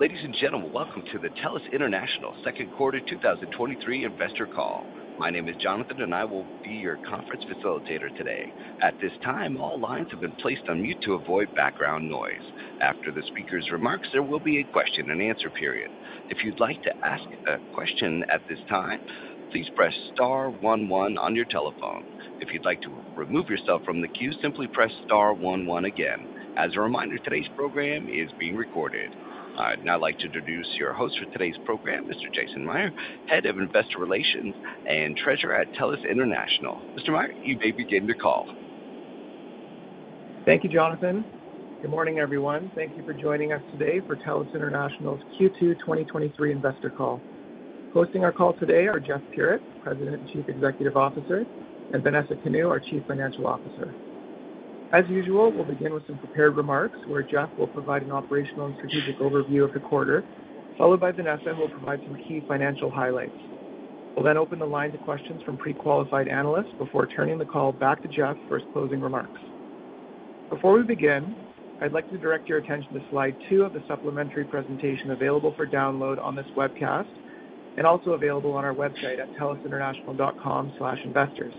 Ladies and gentlemen, welcome to the TELUS International Second Quarter 2023 Investor Call. My name is Jonathan, and I will be your conference facilitator today. At this time, all lines have been placed on mute to avoid background noise. After the speaker's remarks, there will be a question-and-answer period. If you'd like to ask a question at this time, please press star one one on your telephone. If you'd like to remove yourself from the queue, simply press star one one again. As a reminder, today's program is being recorded. I'd now like to introduce your host for today's program, Mr. Jason Mayr, Head of Investor Relations and Treasurer at TELUS International. Mr. Mayr, you may begin the call. Thank you, Jonathan. Good morning, everyone. Thank you for joining us today for TELUS International's Q2 2023 Investor Call. Hosting our call today are Jeff Puritt, President and Chief Executive Officer, and Vanessa Kanu, our Chief Financial Officer. As usual, we'll begin with some prepared remarks, where Jeff will provide an operational and strategic overview of the quarter, followed by Vanessa, who will provide some key financial highlights. We'll then open the line to questions from pre-qualified analysts before turning the call back to Jeff for his closing remarks. Before we begin, I'd like to direct your attention to slide two of the supplementary presentation available for download on this webcast and also available on our website at telusinternational.com/investors.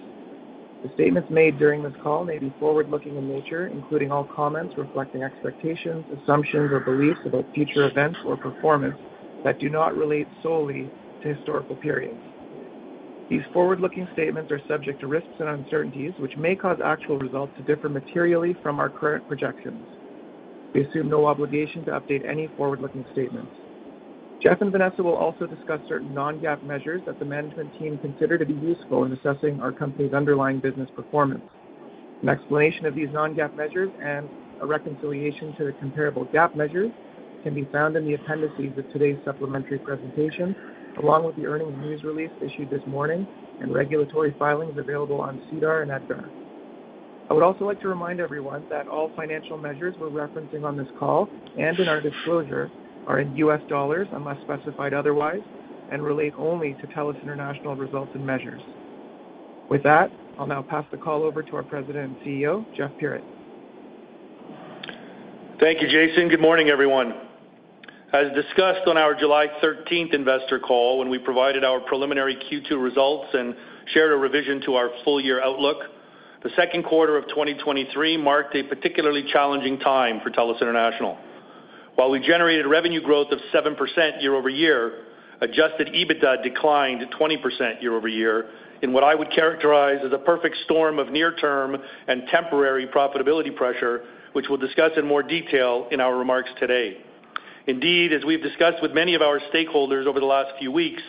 The statements made during this call may be forward-looking in nature, including all comments reflecting expectations, assumptions, or beliefs about future events or performance that do not relate solely to historical periods. These forward-looking statements are subject to risks and uncertainties, which may cause actual results to differ materially from our current projections. We assume no obligation to update any forward-looking statements. Jeff and Vanessa will also discuss certain non-GAAP measures that the management team consider to be useful in assessing our company's underlying business performance. An explanation of these non-GAAP measures and a reconciliation to the comparable GAAP measures can be found in the appendices of today's supplementary presentation, along with the earnings news release issued this morning and regulatory filings available on SEDAR and EDGAR. I would also like to remind everyone that all financial measures we're referencing on this call and in our disclosure are in US dollars, unless specified otherwise, and relate only to TELUS International results and measures. With that, I'll now pass the call over to our President and CEO, Jeff Puritt. Thank you, Jason. Good morning, everyone. As discussed on our July 13th investor call, when we provided our preliminary Q2 results and shared a revision to our full-year outlook, the second quarter of 2023 marked a particularly challenging time for TELUS International. While we generated revenue growth of 7% year-over-year, Adjusted EBITDA declined 20% year-over-year in what I would characterize as a perfect storm of near-term and temporary profitability pressure, which we'll discuss in more detail in our remarks today. Indeed, as we've discussed with many of our stakeholders over the last few weeks,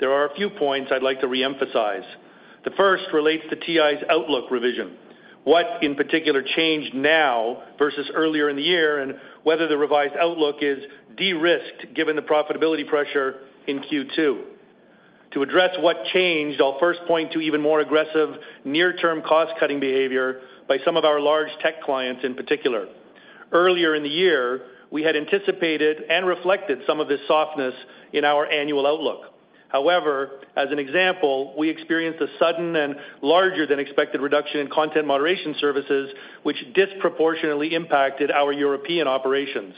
there are a few points I'd like to re-emphasize. The first relates to TI's outlook revision. What, in particular, changed now versus earlier in the year, and whether the revised outlook is de-risked, given the profitability pressure in Q2? To address what changed, I'll first point to even more aggressive near-term cost-cutting behavior by some of our large tech clients in particular. Earlier in the year, we had anticipated and reflected some of this softness in our annual outlook. However, as an example, we experienced a sudden and larger-than-expected reduction in content moderation services, which disproportionately impacted our European operations.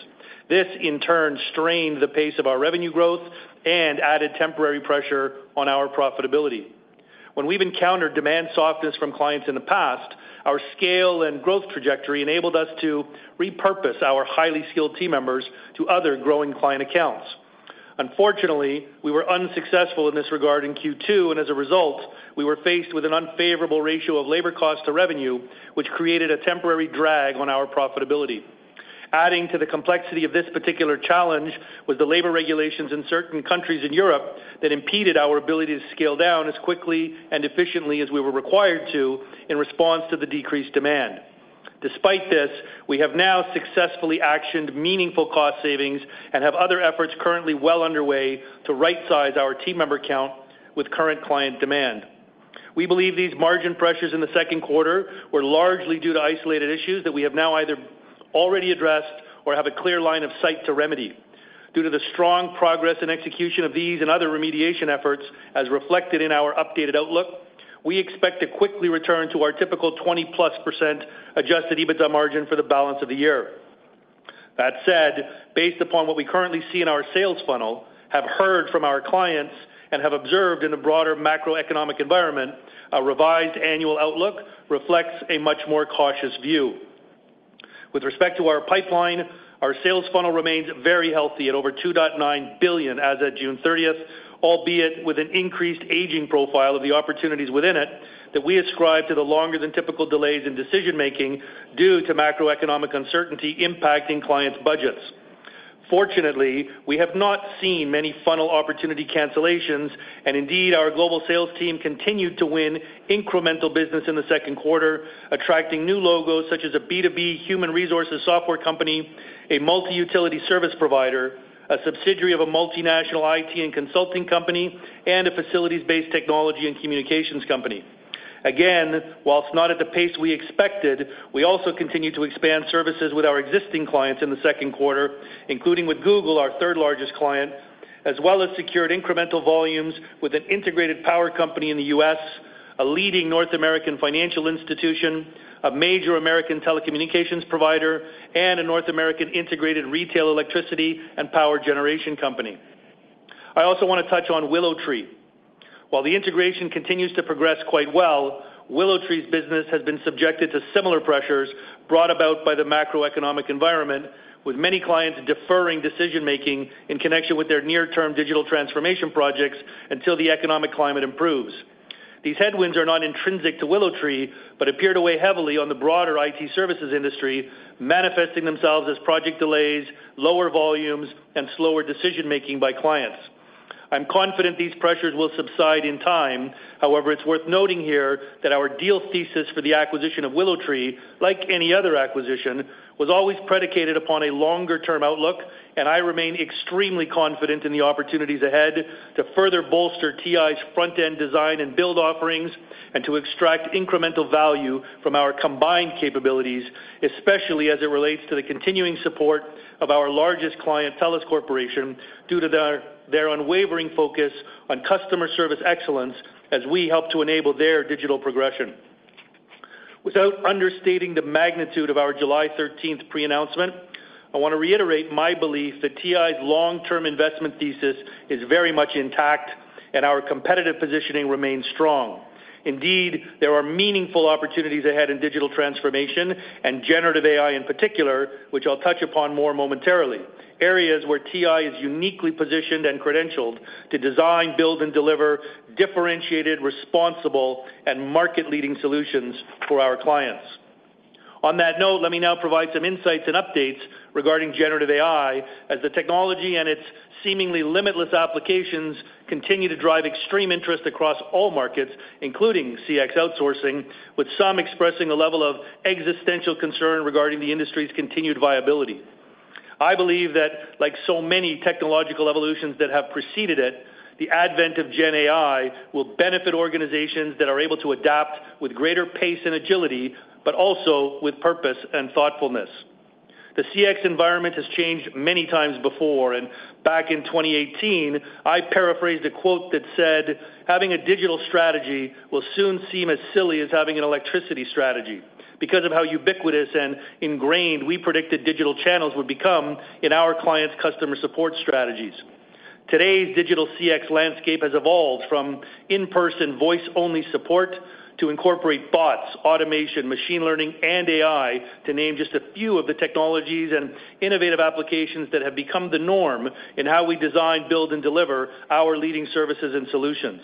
This, in turn, strained the pace of our revenue growth and added temporary pressure on our profitability. When we've encountered demand softness from clients in the past, our scale and growth trajectory enabled us to repurpose our highly skilled team members to other growing client accounts. Unfortunately, we were unsuccessful in this regard in Q2, and as a result, we were faced with an unfavorable ratio of labor cost to revenue, which created a temporary drag on our profitability. Adding to the complexity of this particular challenge was the labor regulations in certain countries in Europe that impeded our ability to scale down as quickly and efficiently as we were required to in response to the decreased demand. Despite this, we have now successfully actioned meaningful cost savings and have other efforts currently well underway to rightsize our team member count with current client demand. We believe these margin pressures in the second quarter were largely due to isolated issues that we have now either already addressed or have a clear line of sight to remedy. Due to the strong progress and execution of these and other remediation efforts, as reflected in our updated outlook, we expect to quickly return to our typical 20-plus % adjusted EBITDA margin for the balance of the year. That said, based upon what we currently see in our sales funnel, have heard from our clients, and have observed in the broader macroeconomic environment, a revised annual outlook reflects a much more cautious view. With respect to our pipeline, our sales funnel remains very healthy at over $2.9 billion as of June 30th, albeit with an increased aging profile of the opportunities within it that we ascribe to the longer than typical delays in decision-making due to macroeconomic uncertainty impacting clients' budgets. Fortunately, we have not seen many funnel opportunity cancellations, and indeed, our global sales team continued to win incremental business in the second quarter, attracting new logos such as a B2B human resources software company, a multi-utility service provider, a subsidiary of a multinational IT and consulting company, and a facilities-based technology and communications company. Again, whilst not at the pace we expected, we also continued to expand services with our existing clients in the second quarter, including with Google, our third-largest client, as well as secured incremental volumes with an integrated power company in the U.S. A leading North American financial institution, a major American telecommunications provider, and a North American integrated retail electricity and power generation company. I also want to touch on WillowTree. While the integration continues to progress quite well, WillowTree's business has been subjected to similar pressures brought about by the macroeconomic environment, with many clients deferring decision-making in connection with their near-term digital transformation projects until the economic climate improves. These headwinds are not intrinsic to WillowTree, but appear to weigh heavily on the broader IT services industry, manifesting themselves as project delays, lower volumes, and slower decision-making by clients. I'm confident these pressures will subside in time. However, it's worth noting here that our deal thesis for the acquisition of WillowTree, like any other acquisition, was always predicated upon a longer-term outlook, and I remain extremely confident in the opportunities ahead to further bolster TI's front-end design and build offerings, and to extract incremental value from our combined capabilities, especially as it relates to the continuing support of our largest client, TELUS Corporation, due to their, their unwavering focus on customer service excellence as we help to enable their digital progression. Without understating the magnitude of our July thirteenth pre-announcement, I want to reiterate my belief that TI's long-term investment thesis is very much intact and our competitive positioning remains strong. Indeed, there are meaningful opportunities ahead in digital transformation and generative AI in particular, which I'll touch upon more momentarily, areas where TI is uniquely positioned and credentialed to design, build, and deliver differentiated, responsible, and market-leading solutions for our clients. On that note, let me now provide some insights and updates regarding generative AI as the technology and its seemingly limitless applications continue to drive extreme interest across all markets, including CX outsourcing, with some expressing a level of existential concern regarding the industry's continued viability. I believe that like so many technological evolutions that have preceded it, the advent of Gen AI will benefit organizations that are able to adapt with greater pace and agility, but also with purpose and thoughtfulness. The CX environment has changed many times before, and back in 2018, I paraphrased a quote that said, "Having a digital strategy will soon seem as silly as having an electricity strategy," because of how ubiquitous and ingrained we predicted digital channels would become in our clients' customer support strategies. Today's digital CX landscape has evolved from in-person, voice-only support to incorporate bots, automation, machine learning, and AI, to name just a few of the technologies and innovative applications that have become the norm in how we design, build, and deliver our leading services and solutions.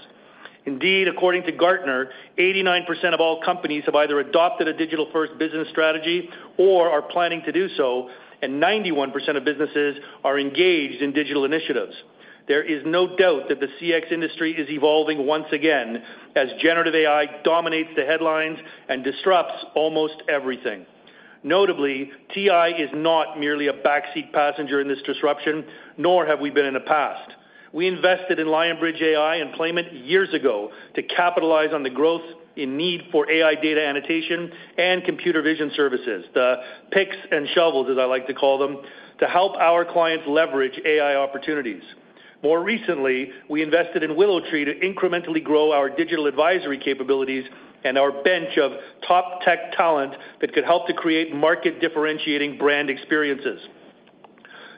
Indeed, according to Gartner, 89% of all companies have either adopted a digital-first business strategy or are planning to do so, and 91% of businesses are engaged in digital initiatives. There is no doubt that the CX industry is evolving once again, as generative AI dominates the headlines and disrupts almost everything. Notably, TI is not merely a backseat passenger in this disruption, nor have we been in the past. We invested in Lionbridge AI and Playment years ago to capitalize on the growth in need for AI data annotation and computer vision services, the picks and shovels, as I like to call them, to help our clients leverage AI opportunities. More recently, we invested in WillowTree to incrementally grow our digital advisory capabilities and our bench of top tech talent that could help to create market-differentiating brand experiences.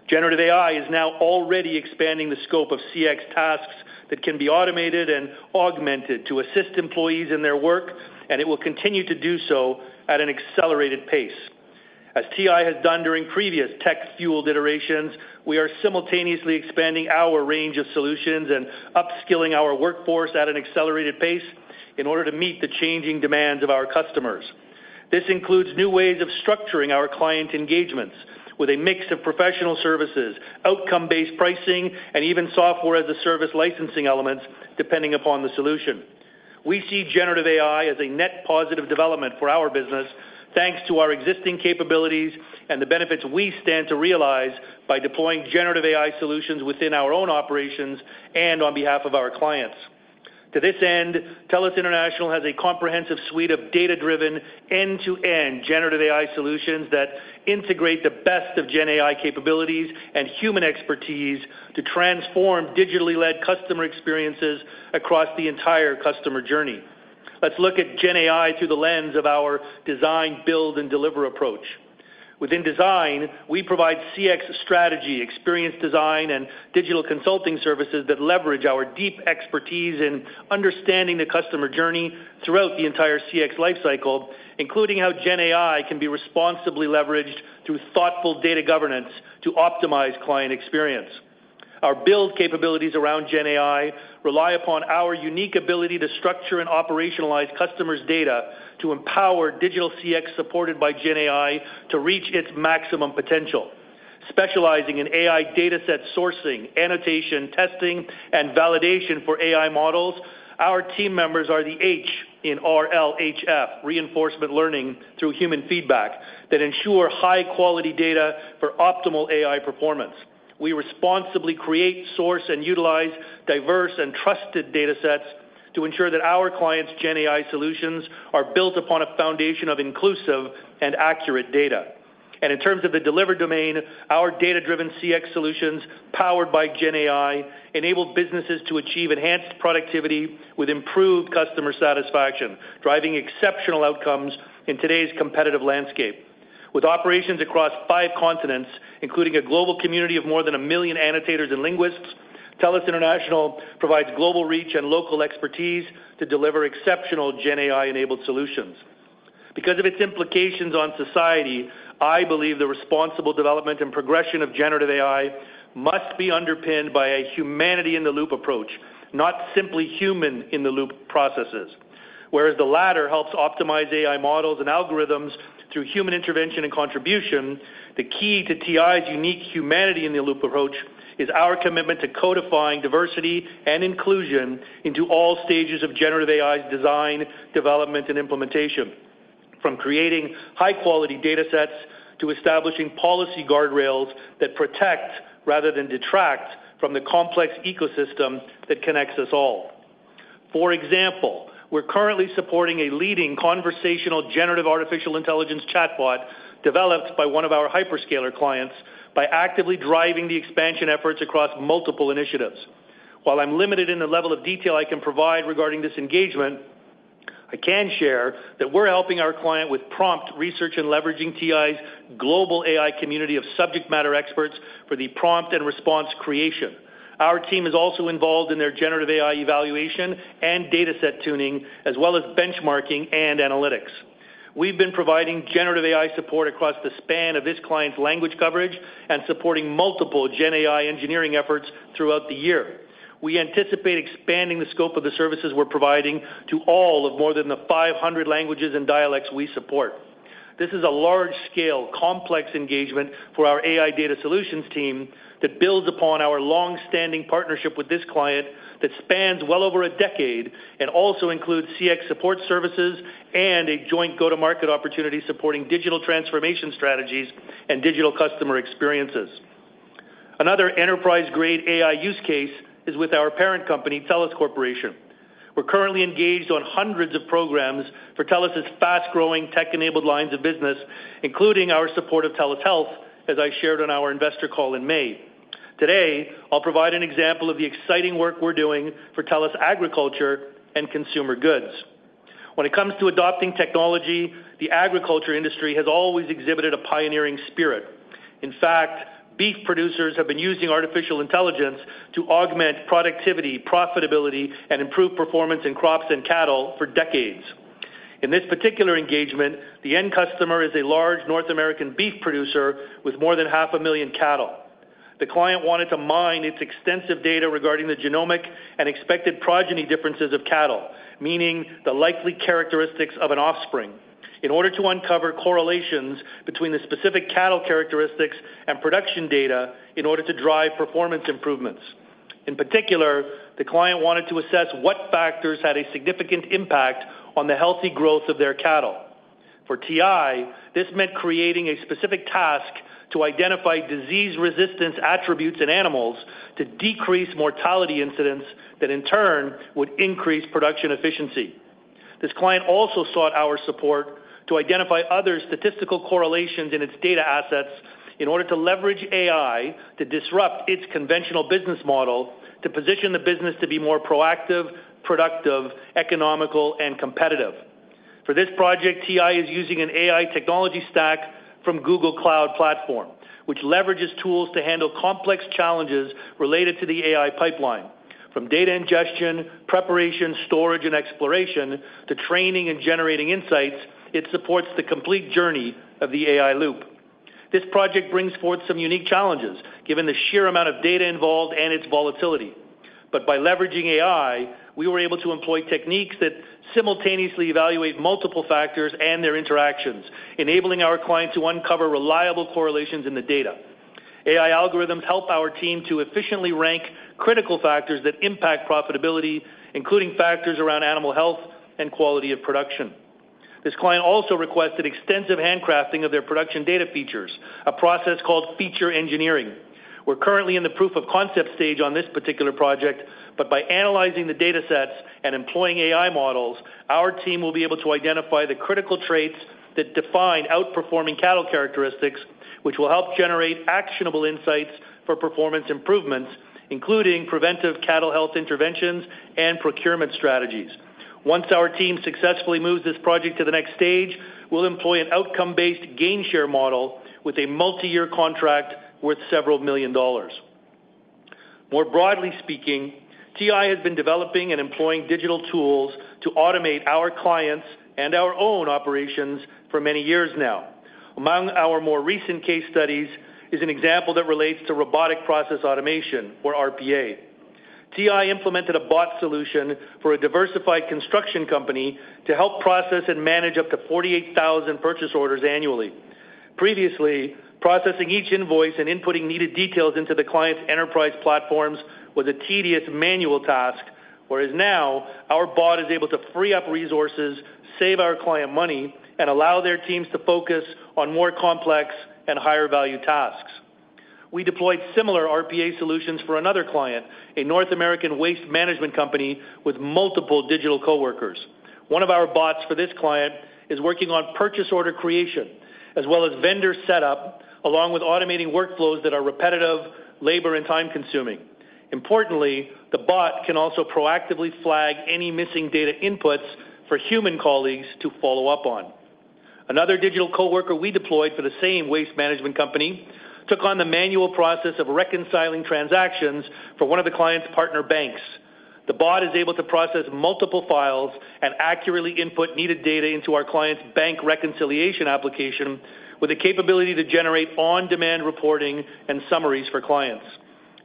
Generative AI is now already expanding the scope of CX tasks that can be automated and augmented to assist employees in their work, and it will continue to do so at an accelerated pace. As TI has done during previous tech-fueled iterations, we are simultaneously expanding our range of solutions and upskilling our workforce at an accelerated pace in order to meet the changing demands of our customers. This includes new ways of structuring our client engagements with a mix of professional services, outcome-based pricing, and even software-as-a-service licensing elements, depending upon the solution. We see generative AI as a net positive development for our business, thanks to our existing capabilities and the benefits we stand to realize by deploying generative AI solutions within our own operations and on behalf of our clients. To this end, TELUS International has a comprehensive suite of data-driven, end-to-end generative AI solutions that integrate the best of Gen AI capabilities and human expertise to transform digitally led customer experiences across the entire customer journey. Let's look at Gen AI through the lens of our design, build, and deliver approach. Within design, we provide CX strategy, experience design, and digital consulting services that leverage our deep expertise in understanding the customer journey throughout the entire CX lifecycle, including how Gen AI can be responsibly leveraged through thoughtful data governance to optimize client experience. Our build capabilities around Gen AI rely upon our unique ability to structure and operationalize customers' data to empower digital CX supported by Gen AI to reach its maximum potential. Specializing in AI dataset sourcing, annotation, testing, and validation for AI models, our team members are the H in RLHF, reinforcement learning through human feedback, that ensure high-quality data for optimal AI performance. We responsibly create, source, and utilize diverse and trusted datasets to ensure that our clients' Gen AI solutions are built upon a foundation of inclusive and accurate data. In terms of the deliver domain, our data-driven CX solutions, powered by Gen AI, enabled businesses to achieve enhanced productivity with improved customer satisfaction, driving exceptional outcomes in today's competitive landscape. With operations across five continents, including a global community of more than a million annotators and linguists, TELUS International provides global reach and local expertise to deliver exceptional Gen AI-enabled solutions. Because of its implications on society, I believe the responsible development and progression of generative AI must be underpinned by a Humanity-in-the-Loop approach, not simply human-in-the-loop processes. Whereas the latter helps optimize AI models and algorithms through human intervention and contribution, the key to TI's unique Humanity-in-the-Loop approach is our commitment to codifying diversity and inclusion into all stages of generative AI's design, development, and implementation, from creating high-quality datasets to establishing policy guardrails that protect rather than detract from the complex ecosystem that connects us all. For example, we're currently supporting a leading conversational, generative artificial intelligence chatbot developed by one of our hyperscaler clients by actively driving the expansion efforts across multiple initiatives. While I'm limited in the level of detail I can provide regarding this engagement, I can share that we're helping our client with prompt research and leveraging TI's global AI community of subject matter experts for the prompt and response creation. Our team is also involved in their generative AI evaluation and dataset tuning, as well as benchmarking and analytics. We've been providing generative AI support across the span of this client's language coverage and supporting multiple Gen AI engineering efforts throughout the year. We anticipate expanding the scope of the services we're providing to all of more than the 500 languages and dialects we support. This is a large-scale, complex engagement for our AI data solutions team that builds upon our long-standing partnership with this client that spans well over a decade and also includes CX support services and a joint go-to-market opportunity supporting digital transformation strategies and digital customer experiences. Another enterprise-grade AI use case is with our parent company, TELUS Corporation. We're currently engaged on hundreds of programs for TELUS's fast-growing tech-enabled lines of business, including our support of TELUS Health, as I shared on our investor call in May. Today, I'll provide an example of the exciting work we're doing for TELUS Agriculture & Consumer Goods. When it comes to adopting technology, the agriculture industry has always exhibited a pioneering spirit. In fact, beef producers have been using artificial intelligence to augment productivity, profitability, and improve performance in crops and cattle for decades. In this particular engagement, the end customer is a large North American beef producer with more than 500,000 cattle. The client wanted to mine its extensive data regarding the genomic and expected progeny differences of cattle, meaning the likely characteristics of an offspring, in order to uncover correlations between the specific cattle characteristics and production data in order to drive performance improvements. In particular, the client wanted to assess what factors had a significant impact on the healthy growth of their cattle. For TI, this meant creating a specific task to identify disease resistance attributes in animals to decrease mortality incidents that, in turn, would increase production efficiency. This client also sought our support to identify other statistical correlations in its data assets in order to leverage AI to disrupt its conventional business model, to position the business to be more proactive, productive, economical, and competitive. For this project, TI is using an AI technology stack from Google Cloud Platform, which leverages tools to handle complex challenges related to the AI pipeline. From data ingestion, preparation, storage, and exploration, to training and generating insights, it supports the complete journey of the AI loop. This project brings forth some unique challenges, given the sheer amount of data involved and its volatility. By leveraging AI, we were able to employ techniques that simultaneously evaluate multiple factors and their interactions, enabling our client to uncover reliable correlations in the data. AI algorithms help our team to efficiently rank critical factors that impact profitability, including factors around animal health and quality of production. This client also requested extensive handcrafting of their production data features, a process called feature engineering. We're currently in the proof of concept stage on this particular project, but by analyzing the datasets and employing AI models, our team will be able to identify the critical traits that define outperforming cattle characteristics, which will help generate actionable insights for performance improvements, including preventive cattle health interventions and procurement strategies. Once our team successfully moves this project to the next stage, we'll employ an outcome-based gain share model with a multi-year contract worth $ several million. More broadly speaking, TI has been developing and employing digital tools to automate our clients and our own operations for many years now. Among our more recent case studies is an example that relates to robotic process automation or RPA. TI implemented a bot solution for a diversified construction company to help process and manage up to 48,000 purchase orders annually. Previously, processing each invoice and inputting needed details into the client's enterprise platforms was a tedious manual task. Whereas now, our bot is able to free up resources, save our client money, and allow their teams to focus on more complex and higher-value tasks. We deployed similar RPA solutions for another client, a North American waste management company with multiple digital coworkers. One of our bots for this client is working on purchase order creation, as well as vendor setup, along with automating workflows that are repetitive, labor, and time-consuming. Importantly, the bot can also proactively flag any missing data inputs for human colleagues to follow up on. Another digital coworker we deployed for the same waste management company took on the manual process of reconciling transactions for one of the client's partner banks. The bot is able to process multiple files and accurately input needed data into our client's bank reconciliation application, with the capability to generate on-demand reporting and summaries for clients.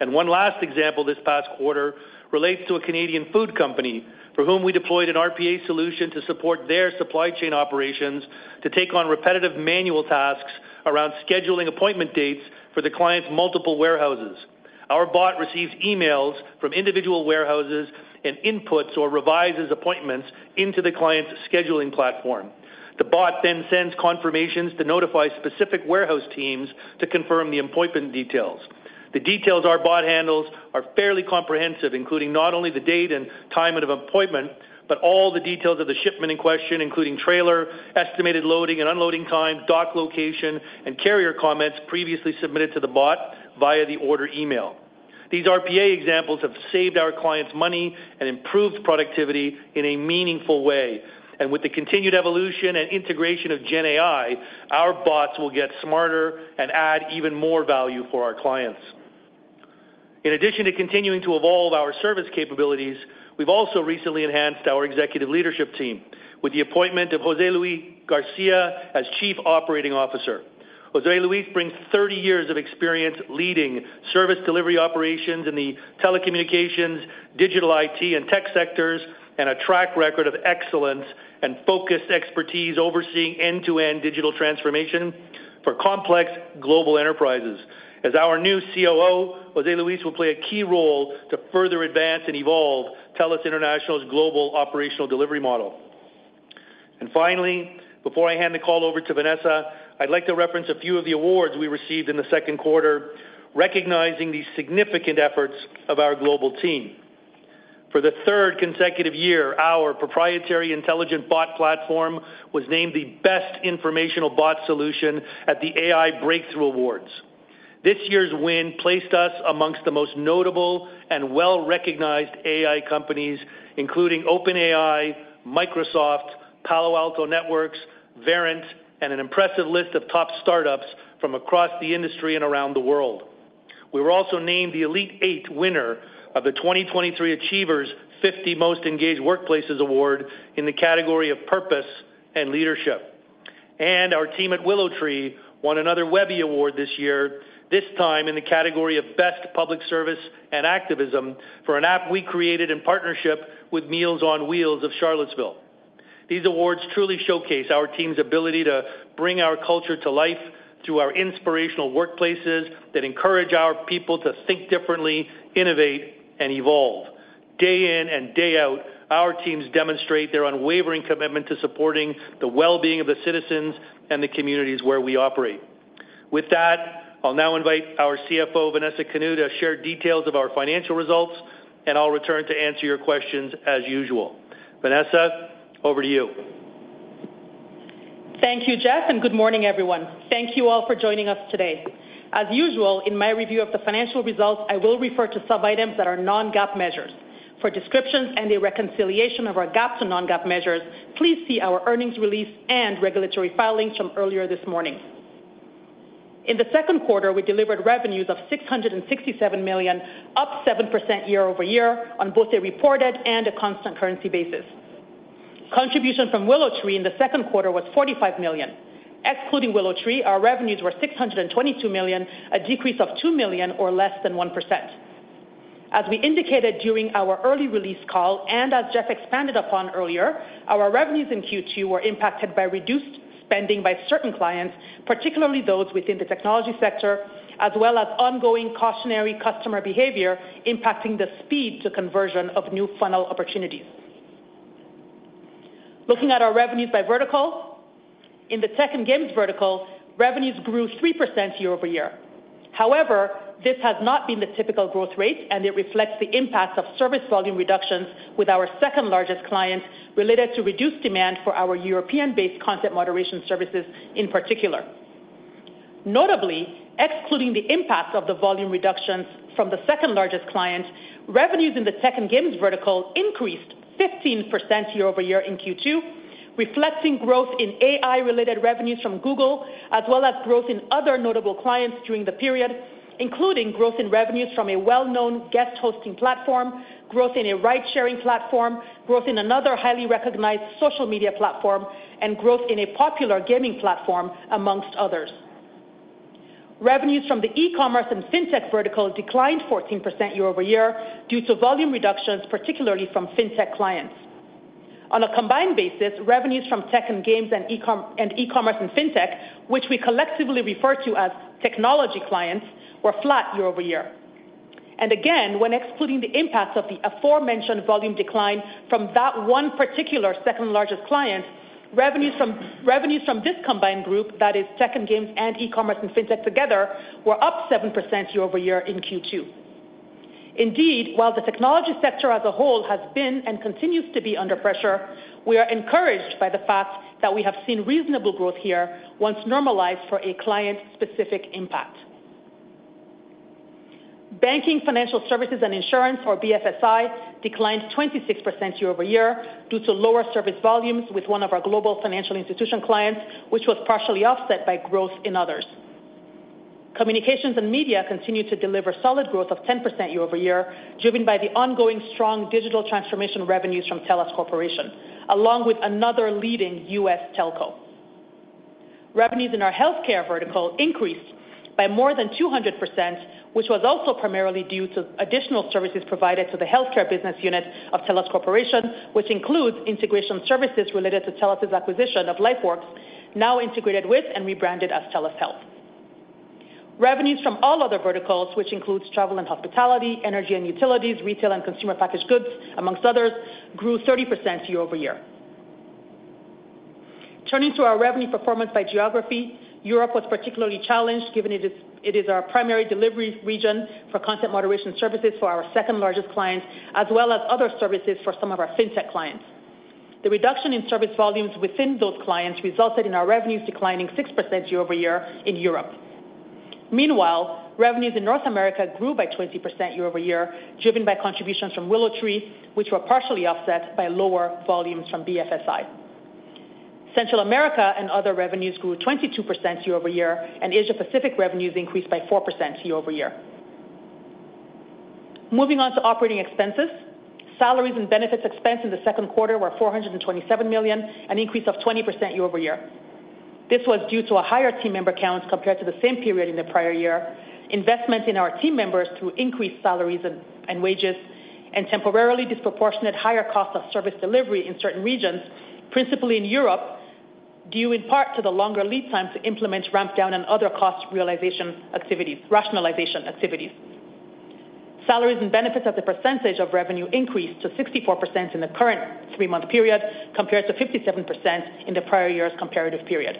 One last example this past quarter relates to a Canadian food company, for whom we deployed an RPA solution to support their supply chain operations to take on repetitive manual tasks around scheduling appointment dates for the client's multiple warehouses. Our bot receives emails from individual warehouses and inputs or revises appointments into the client's scheduling platform. The bot then sends confirmations to notify specific warehouse teams to confirm the appointment details. The details our bot handles are fairly comprehensive, including not only the date and time of an appointment, but all the details of the shipment in question, including trailer, estimated loading and unloading time, dock location, and carrier comments previously submitted to the bot via the order email. These RPA examples have saved our clients money and improved productivity in a meaningful way. With the continued evolution and integration of Gen AI, our bots will get smarter and add even more value for our clients. In addition to continuing to evolve our service capabilities, we've also recently enhanced our executive leadership team with the appointment of José Luis García as Chief Operating Officer. José Luis brings 30 years of experience leading service delivery operations in the telecommunications, digital IT, and tech sectors, and a track record of excellence and focused expertise overseeing end-to-end digital transformation for complex global enterprises. As our new COO, José Luis will play a key role to further advance and evolve TELUS International's global operational delivery model. Finally, before I hand the call over to Vanessa, I'd like to reference a few of the awards we received in the second quarter, recognizing the significant efforts of our global team. For the third consecutive year, our proprietary intelligent bot platform was named the Best Informational Bot Solution at the AI Breakthrough Awards. This year's win placed us amongst the most notable and well-recognized AI companies, including OpenAI, Microsoft, Palo Alto Networks, Verint, and an impressive list of top startups from across the industry and around the world. We were also named the Elite Eight winner of the 2023 Achievers 50 Most Engaged Workplaces Awards in the category of Purpose and Leadership. Our team at WillowTree won another Webby Award this year, this time in the category of Best Public Service and Activism, for an app we created in partnership with Meals on Wheels of Charlottesville. These awards truly showcase our team's ability to bring our culture to life through our inspirational workplaces that encourage our people to think differently, innovate, and evolve. Day in and day out, our teams demonstrate their unwavering commitment to supporting the well-being of the citizens and the communities where we operate. With that, I'll now invite our CFO, Vanessa Kanu, to share details of our financial results, and I'll return to answer your questions as usual. Vanessa, over to you. Thank you, Jeff, good morning, everyone. Thank you all for joining us today. As usual, in my review of the financial results, I will refer to sub-items that are non-GAAP measures. For descriptions and a reconciliation of our GAAP to non-GAAP measures, please see our earnings release and regulatory filings from earlier this morning. In the second quarter, we delivered revenues of $667 million, up 7% year-over-year on both a reported and a constant currency basis. Contribution from WillowTree in the second quarter was $45 million. Excluding WillowTree, our revenues were $622 million, a decrease of $2 million or less than 1%. As we indicated during our early release call, and as Jeff expanded upon earlier, our revenues in Q2 were impacted by reduced spending by certain clients, particularly those within the technology sector, as well as ongoing cautionary customer behavior impacting the speed to conversion of new funnel opportunities. Looking at our revenues by vertical, in the tech and games vertical, revenues grew 3% year-over-year. However, this has not been the typical growth rate, and it reflects the impact of service volume reductions with our second-largest client, related to reduced demand for our European-based content moderation services in particular. Notably, excluding the impact of the volume reductions from the second-largest client, revenues in the tech and games vertical increased 15% year-over-year in Q2, reflecting growth in AI-related revenues from Google, as well as growth in other notable clients during the period, including growth in revenues from a well-known guest hosting platform, growth in a ride-sharing platform, growth in another highly recognized social media platform, and growth in a popular gaming platform, amongst others. Revenues from the e-commerce and fintech vertical declined 14% year-over-year due to volume reductions, particularly from fintech clients. On a combined basis, revenues from tech and games and e-commerce and fintech, which we collectively refer to as technology clients, were flat year-over-year. Again, when excluding the impacts of the aforementioned volume decline from that one particular second-largest client, revenues from this combined group, that is second games and e-commerce and Fintech together, were up 7% year-over-year in Q2. Indeed, while the technology sector as a whole has been and continues to be under pressure, we are encouraged by the fact that we have seen reasonable growth here once normalized for a client-specific impact. Banking, financial services, and insurance, or BFSI, declined 26% year-over-year due to lower service volumes with one of our global financial institution clients, which was partially offset by growth in others. Communications and media continued to deliver solid growth of 10% year-over-year, driven by the ongoing strong digital transformation revenues from TELUS Corporation, along with another leading U.S. telco. Revenues in our healthcare vertical increased by more than 200%, which was also primarily due to additional services provided to the healthcare business unit of TELUS Corporation, which includes integration services related to TELUS's acquisition of LifeWorks, now integrated with and rebranded as TELUS Health. Revenues from all other verticals, which includes travel and hospitality, energy and utilities, retail and consumer packaged goods, amongst others, grew 30% year-over-year. Turning to our revenue performance by geography, Europe was particularly challenged, given it is our primary delivery region for content moderation services for our second-largest client, as well as other services for some of our Fintech clients. The reduction in service volumes within those clients resulted in our revenues declining 6% year-over-year in Europe. Meanwhile, revenues in North America grew by 20% year-over-year, driven by contributions from WillowTree, which were partially offset by lower volumes from BFSI. Central America and other revenues grew 22% year-over-year, Asia Pacific revenues increased by 4% year-over-year. Moving on to operating expenses. Salaries and benefits expense in the second quarter were $427 million, an increase of 20% year-over-year. This was due to a higher team member count compared to the same period in the prior year, investment in our team members through increased salaries and wages, and temporarily disproportionate higher cost of service delivery in certain regions, principally in Europe, due in part to the longer lead times to implement ramp down and other cost realization rationalization activities. Salaries and benefits as a percentage of revenue increased to 64% in the current three-month period, compared to 57% in the prior year's comparative period.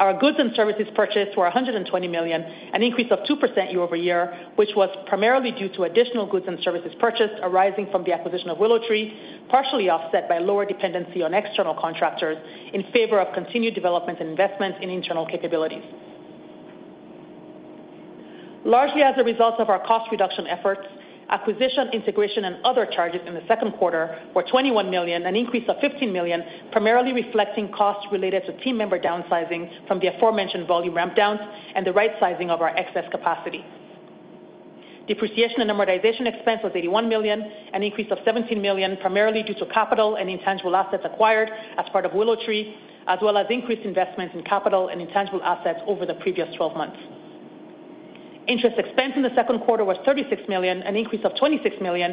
Our goods and services purchased were $120 million, an increase of 2% year-over-year, which was primarily due to additional goods and services purchased arising from the acquisition of WillowTree, partially offset by lower dependency on external contractors in favor of continued development and investment in internal capabilities. Largely as a result of our cost reduction efforts, acquisition, integration, and other charges in the second quarter were $21 million, an increase of $15 million, primarily reflecting costs related to team member downsizing from the aforementioned volume ramp downs and the right sizing of our excess capacity. Depreciation and amortization expense was $81 million, an increase of $17 million, primarily due to capital and intangible assets acquired as part of WillowTree, as well as increased investments in capital and intangible assets over the previous 12 months. Interest expense in the second quarter was $36 million, an increase of $26 million,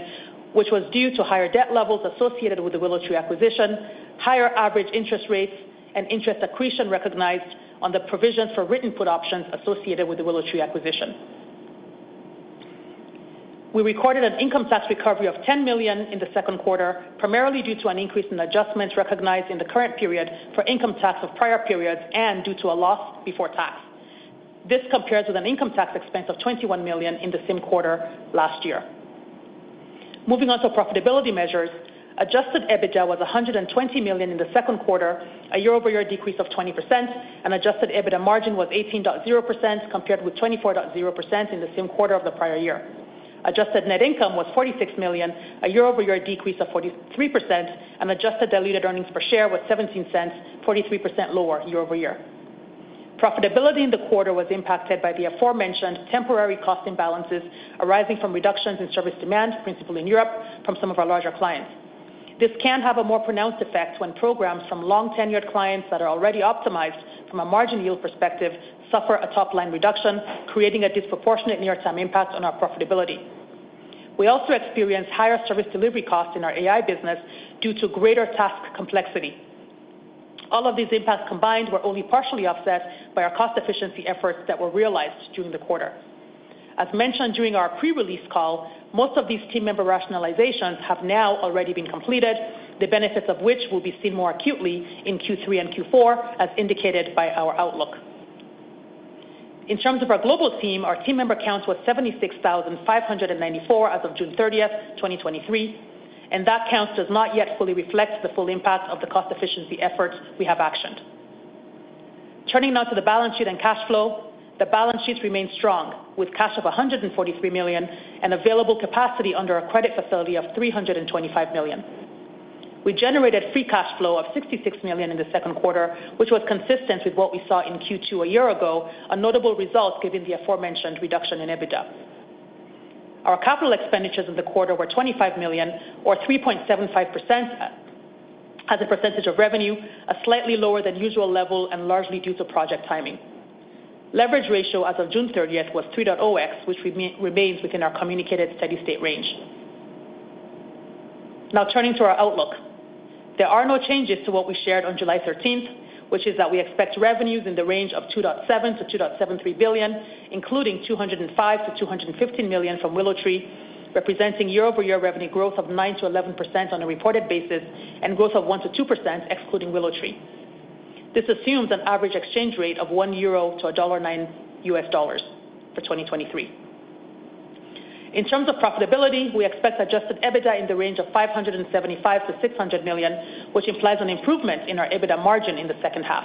which was due to higher debt levels associated with the WillowTree acquisition, higher average interest rates, and interest accretion recognized on the provision for written put options associated with the WillowTree acquisition. We recorded an income tax recovery of $10 million in the second quarter, primarily due to an increase in adjustments recognized in the current period for income tax of prior periods and due to a loss before tax. This compares with an income tax expense of $21 million in the same quarter last year. Moving on to profitability measures. Adjusted EBITDA was $120 million in the second quarter, a year-over-year decrease of 20%. Adjusted EBITDA margin was 18.0%, compared with 24.0% in the same quarter of the prior year. Adjusted net income was $46 million, a year-over-year decrease of 43%. Adjusted diluted earnings per share was $0.17, 43% lower year-over-year. Profitability in the quarter was impacted by the aforementioned temporary cost imbalances arising from reductions in service demand, principally in Europe, from some of our larger clients. This can have a more pronounced effect when programs from long-tenured clients that are already optimized from a margin yield perspective suffer a top-line reduction, creating a disproportionate near-term impact on our profitability. We also experienced higher service delivery costs in our AI business due to greater task complexity. All of these impacts combined were only partially offset by our cost efficiency efforts that were realized during the quarter. As mentioned during our pre-release call, most of these team member rationalizations have now already been completed, the benefits of which will be seen more acutely in Q3 and Q4, as indicated by our outlook. In terms of our global team, our team member count was 76,594 as of June 30th, 2023, and that count does not yet fully reflect the full impact of the cost efficiency efforts we have actioned. Turning now to the balance sheet and cash flow. The balance sheet remains strong, with cash of $143 million and available capacity under a credit facility of $325 million. We generated free cash flow of $66 million in the second quarter, which was consistent with what we saw in Q2 a year ago, a notable result given the aforementioned reduction in EBITDA. Our capital expenditures in the quarter were $25 million or 3.75% as a percentage of revenue, a slightly lower than usual level and largely due to project timing. Leverage ratio as of June 30th was 3.0x, which remains within our communicated steady-state range. Turning to our outlook. There are no changes to what we shared on July 13th, which is that we expect revenues in the range of $2.7 billion-$2.73 billion, including $205 million-$250 million from WillowTree, representing year-over-year revenue growth of 9%-11% on a reported basis and growth of 1%-2% excluding WillowTree. This assumes an average exchange rate of 1 euro to $1.09 for 2023. In terms of profitability, we expect adjusted EBITDA in the range of $575 million-$600 million, which implies an improvement in our EBITDA margin in the second half.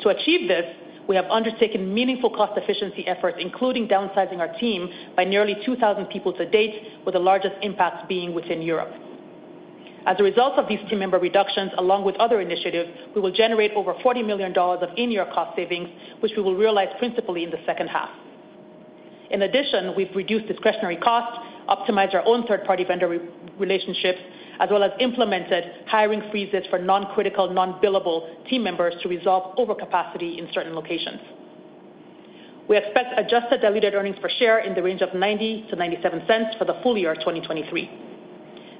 To achieve this, we have undertaken meaningful cost efficiency efforts, including downsizing our team by nearly 2,000 people to date, with the largest impacts being within Europe. As a result of these team member reductions, along with other initiatives, we will generate over $40 million of in-year cost savings, which we will realize principally in the second half. In addition, we've reduced discretionary costs, optimized our own third-party vendor relationships, as well as implemented hiring freezes for non-critical, non-billable team members to resolve overcapacity in certain locations. We expect adjusted diluted earnings per share in the range of $0.90-$0.97 for the full year of 2023.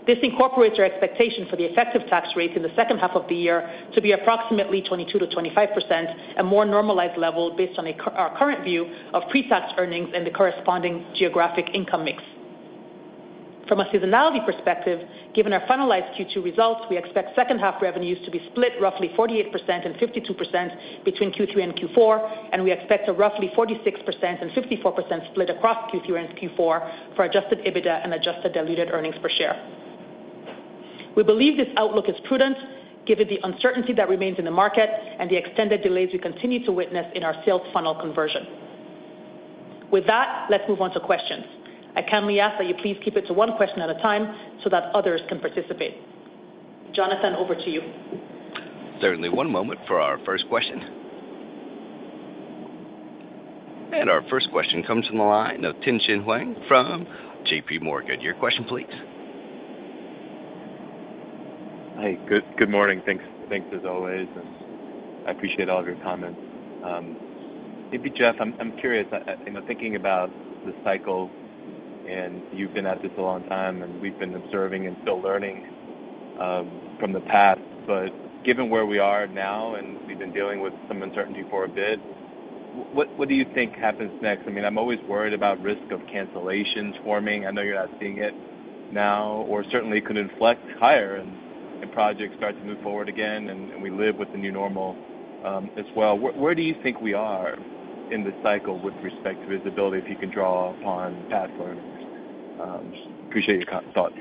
This incorporates our expectation for the effective tax rate in the second half of the year to be approximately 22%-25%, a more normalized level based on our current view of pre-tax earnings and the corresponding geographic income mix. From a seasonality perspective, given our finalized Q2 results, we expect second half revenues to be split roughly 48% and 52% between Q3 and Q4, and we expect a roughly 46% and 54% split across Q3 and Q4 for Adjusted EBITDA and adjusted diluted earnings per share. We believe this outlook is prudent given the uncertainty that remains in the market and the extended delays we continue to witness in our sales funnel conversion. With that, let's move on to questions. I kindly ask that you please keep it to one question at a time so that others can participate. Jonathan, over to you. Certainly. One moment for our first question. Our first question comes from the line of Tien-Tsin Huang from J.P. Morgan. Your question please. Hi, good, good morning. Thanks, thanks as always, and I appreciate all of your comments. maybe, Jeff, I'm, I'm curious, you know, thinking about the cycle, you've been at this a long time, and we've been observing and still learning, from the past, but given where we are now, and we've been dealing with some uncertainty for a bit, what, what do you think happens next? I mean, I'm always worried about risk of cancellations forming. I know you're not seeing it now, or certainly it could inflect higher and, and projects start to move forward again, and, and we live with the new normal, as well. Where, where do you think we are in this cycle with respect to visibility, if you can draw upon past learnings? appreciate your co- thoughts.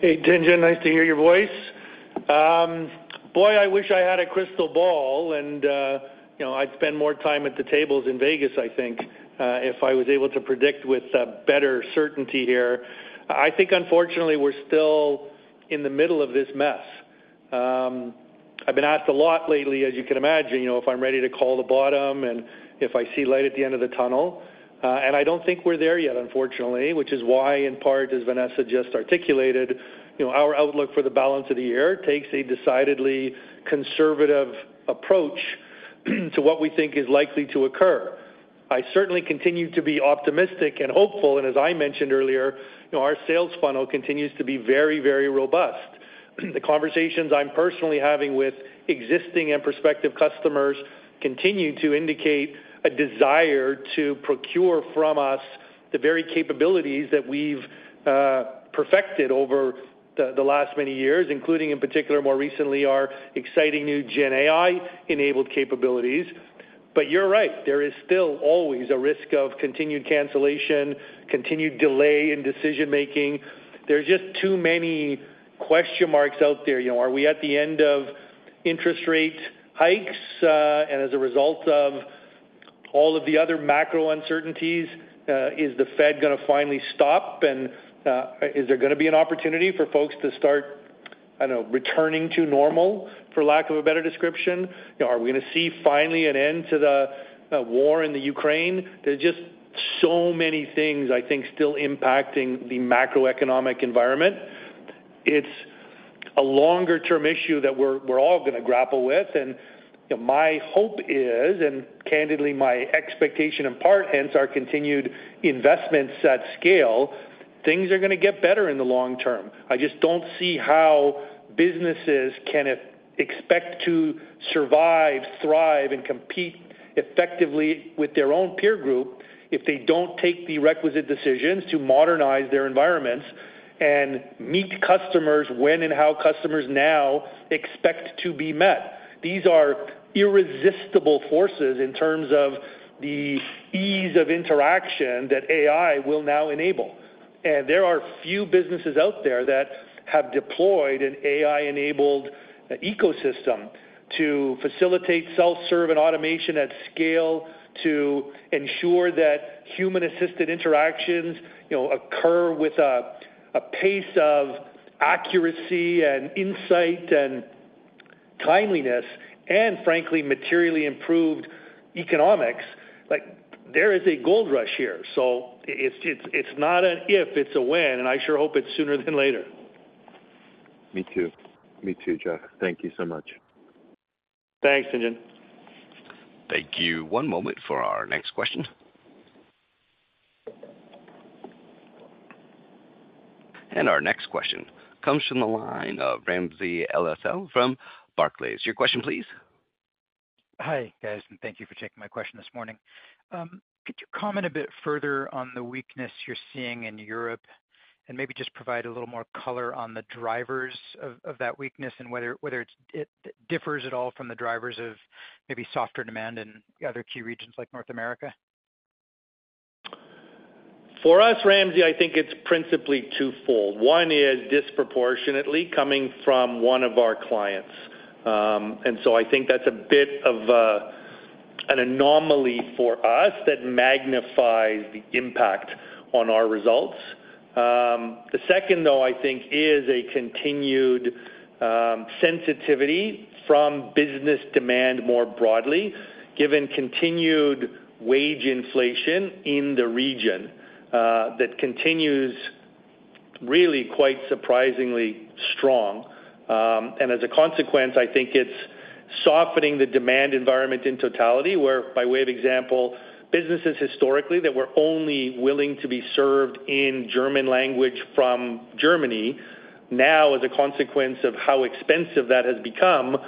Hey, Tien-Tsin, nice to hear your voice. Boy, I wish I had a crystal ball and, you know, I'd spend more time at the tables in Vegas, I think, if I was able to predict with better certainty here. I think unfortunately, we're still in the middle of this mess. I've been asked a lot lately, as you can imagine, you know, if I'm ready to call the bottom and if I see light at the end of the tunnel, and I don't think we're there yet, unfortunately, which is why, in part, as Vanessa just articulated, you know, our outlook for the balance of the year takes a decidedly conservative approach, to what we think is likely to occur. I certainly continue to be optimistic and hopeful, and as I mentioned earlier, you know, our sales funnel continues to be very, very robust. The conversations I'm personally having with existing and prospective customers continue to indicate a desire to procure from us the very capabilities that we've perfected over the last many years, including, in particular, more recently, our exciting new Gen AI-enabled capabilities. You're right, there is still always a risk of continued cancellation, continued delay in decision-making. There's just too many question marks out there. You know, are we at the end of interest rate hikes? As a result of all of the other macro uncertainties, is the Fed gonna finally stop? Is there gonna be an opportunity for folks to start, I don't know, returning to normal, for lack of a better description? You know, are we gonna see finally an end to the war in Ukraine? There's just so many things, I think, still impacting the macroeconomic environment. It's a longer-term issue that we're all gonna grapple with. My hope is, and candidly, my expectation in part, hence our continued investments at scale, things are gonna get better in the long term. I just don't see how businesses can expect to survive, thrive, and compete effectively with their own peer group if they don't take the requisite decisions to modernize their environments and meet customers when and how customers now expect to be met. These are irresistible forces in terms of the ease of interaction that AI will now enable. There are a few businesses out there that have deployed an AI-enabled ecosystem to facilitate self-serve and automation at scale, to ensure that human-assisted interactions, you know, occur with a pace of accuracy and insight and timeliness, and frankly, materially improved economics. Like, there is a gold rush here, so it's, it's, it's not an if, it's a when, and I sure hope it's sooner than later. Me too. Me too, Jeff. Thank you so much. Thanks, Anjan. Thank you. One moment for our next question. Our next question comes from the line of Ramsey El-Assal from Barclays. Your question, please. Hi, guys, thank you for taking my question this morning. Could you comment a bit further on the weakness you're seeing in Europe and maybe just provide a little more color on the drivers of, of that weakness and whether, whether it's, it differs at all from the drivers of maybe softer demand in other key regions like North America? For us, Ramsey, I think it's principally twofold. One is disproportionately coming from one of our clients. So I think that's a bit of an anomaly for us that magnifies the impact on our results. The second, though, I think, is a continued sensitivity from business demand more broadly, given continued wage inflation in the region that continues really quite surprisingly strong. As a consequence, I think it's softening the demand environment in totality, where, by way of example, businesses historically that were only willing to be served in German language from Germany, now, as a consequence of how expensive that has become,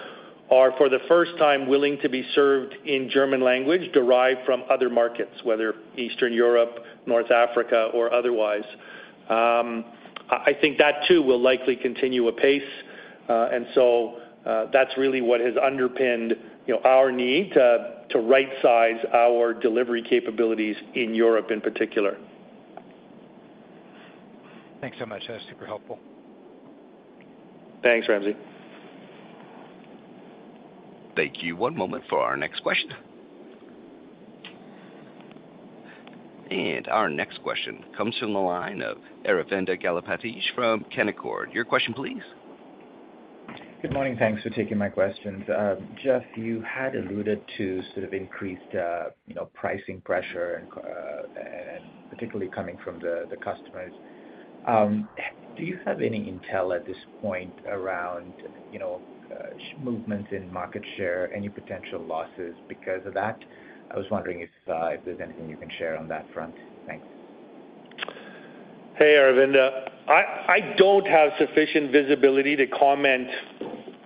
are for the first time, willing to be served in German language derived from other markets, whether Eastern Europe, North Africa, or otherwise. I, I think that too, will likely continue apace, and so, that's really what has underpinned, you know, our need to, to right-size our delivery capabilities in Europe in particular. Thanks so much. That's super helpful. Thanks, Ramsey. Thank you. One moment for our next question. Our next question comes from the line of Aravinda Galappati from Canaccord. Your question, please. Good morning. Thanks for taking my questions. Jeff, you had alluded to sort of increased, you know, pricing pressure, and particularly coming from the customers. Do you have any intel at this point around, you know, movement in market share, any potential losses because of that? I was wondering if there's anything you can share on that front. Thanks. Hey, Aravinda. I, I don't have sufficient visibility to comment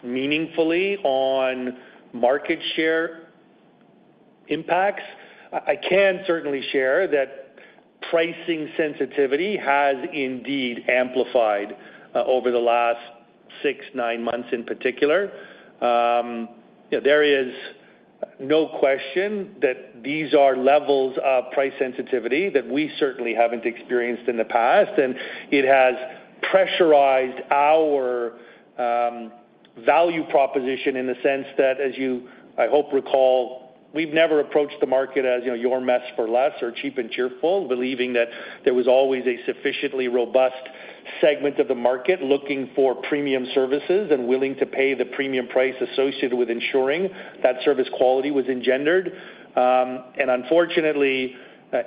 meaningfully on market share impacts. I, I can certainly share that pricing sensitivity has indeed amplified over the last six, nine months in particular. There is no question that these are levels of price sensitivity that we certainly haven't experienced in the past, and it has pressurized our value proposition in the sense that, as you, I hope, recall, we've never approached the market as, you know, your mess for less or cheap and cheerful, believing that there was always a sufficiently robust segment of the market looking for premium services and willing to pay the premium price associated with ensuring that service quality was engendered. Unfortunately,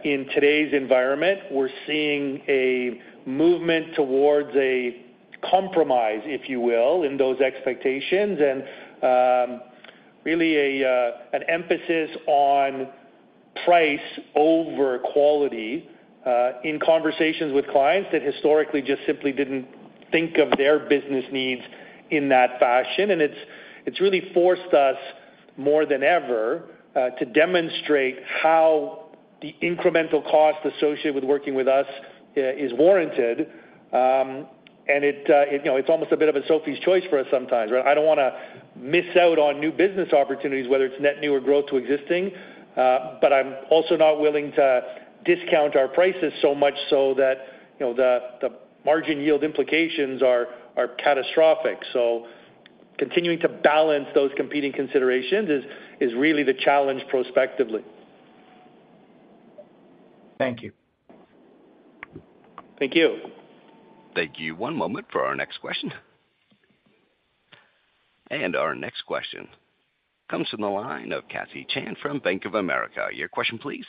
in today's environment, we're seeing a movement towards a compromise, if you will, in those expectations, and really a, an emphasis on price over quality, in conversations with clients that historically just simply didn't think of their business needs in that fashion. It's, it's really forced us more than ever, to demonstrate how the incremental cost associated with working with us, is warranted. It, it, you know, it's almost a bit of a Sophie's choice for us sometimes, right? I don't wanna miss out on new business opportunities, whether it's net new or growth to existing, but I'm also not willing to discount our prices so much so that, you know, the, the margin yield implications are, are catastrophic. Continuing to balance those competing considerations is, is really the challenge prospectively. Thank you. Thank you. Thank you. 1 moment for our next question. Our next question comes from the line of Cassie Chan from Bank of America. Your question, please.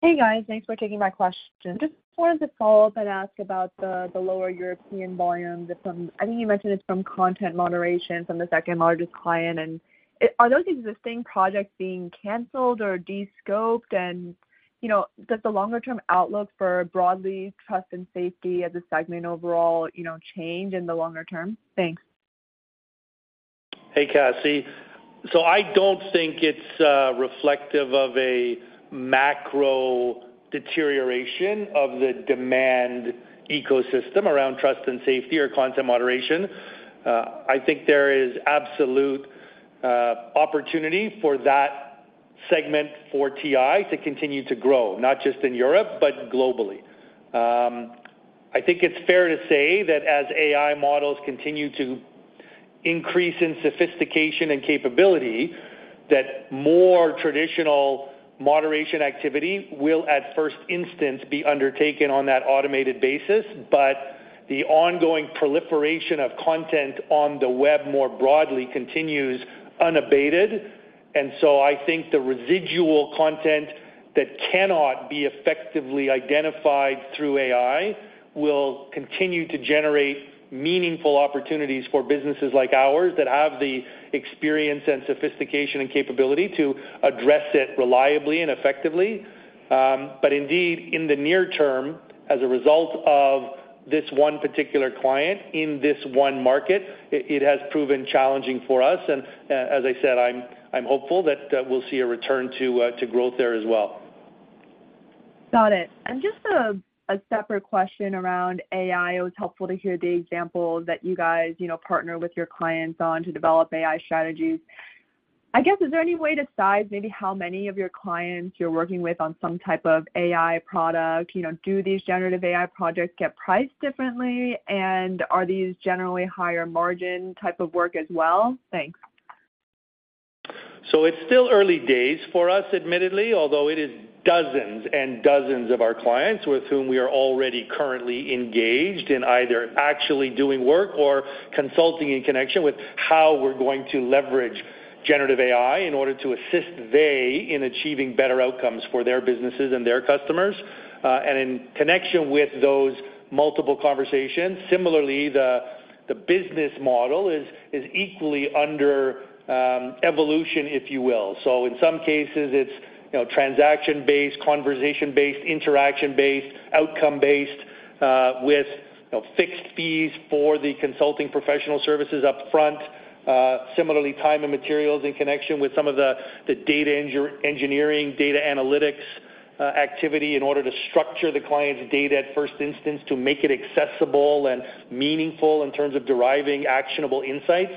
Hey, guys. Thanks for taking my question. Just wanted to follow up and ask about the lower European volumes from. I think you mentioned it's from content moderation from the second-largest client. Are those existing projects being canceled or descoped? You know, does the longer-term outlook for broadly trust and safety as a segment overall, you know, change in the longer term? Thanks. Hey, Cassie. I don't think it's reflective of a macro deterioration of the demand ecosystem around trust and safety or content moderation. I think there is absolute opportunity for that segment for TI to continue to grow, not just in Europe, but globally. I think it's fair to say that as AI models continue to increase in sophistication and capability, that more traditional moderation activity will, at first instance, be undertaken on that automated basis. The ongoing proliferation of content on the web more broadly continues unabated. I think the residual content that cannot be effectively identified through AI will continue to generate meaningful opportunities for businesses like ours, that have the experience and sophistication and capability to address it reliably and effectively. Indeed, in the near term, as a result of this one particular client in this one market, it, it has proven challenging for us. As I said, I'm, I'm hopeful that we'll see a return to growth there as well. Got it. Just a, a separate question around AI. It was helpful to hear the example that you guys, you know, partner with your clients on to develop AI strategies. I guess, is there any way to size maybe how many of your clients you're working with on some type of AI product? You know, do these generative AI projects get priced differently? Are these generally higher margin type of work as well? Thanks. It's still early days for us, admittedly, although it is dozens and dozens of our clients with whom we are already currently engaged in either actually doing work or consulting in connection with how we're going to leverage generative AI in order to assist they in achieving better outcomes for their businesses and their customers. In connection with those multiple conversations, similarly, the, the business model is, is equally under evolution, if you will. So in some cases, it's, you know, transaction-based, conversation-based, interaction-based, outcome-based, with, you know, fixed fees for the consulting professional services upfront. Similarly, time and materials in connection with some of the, the data engineering, data analytics, activity in order to structure the client's data at first instance, to make it accessible and meaningful in terms of deriving actionable insights.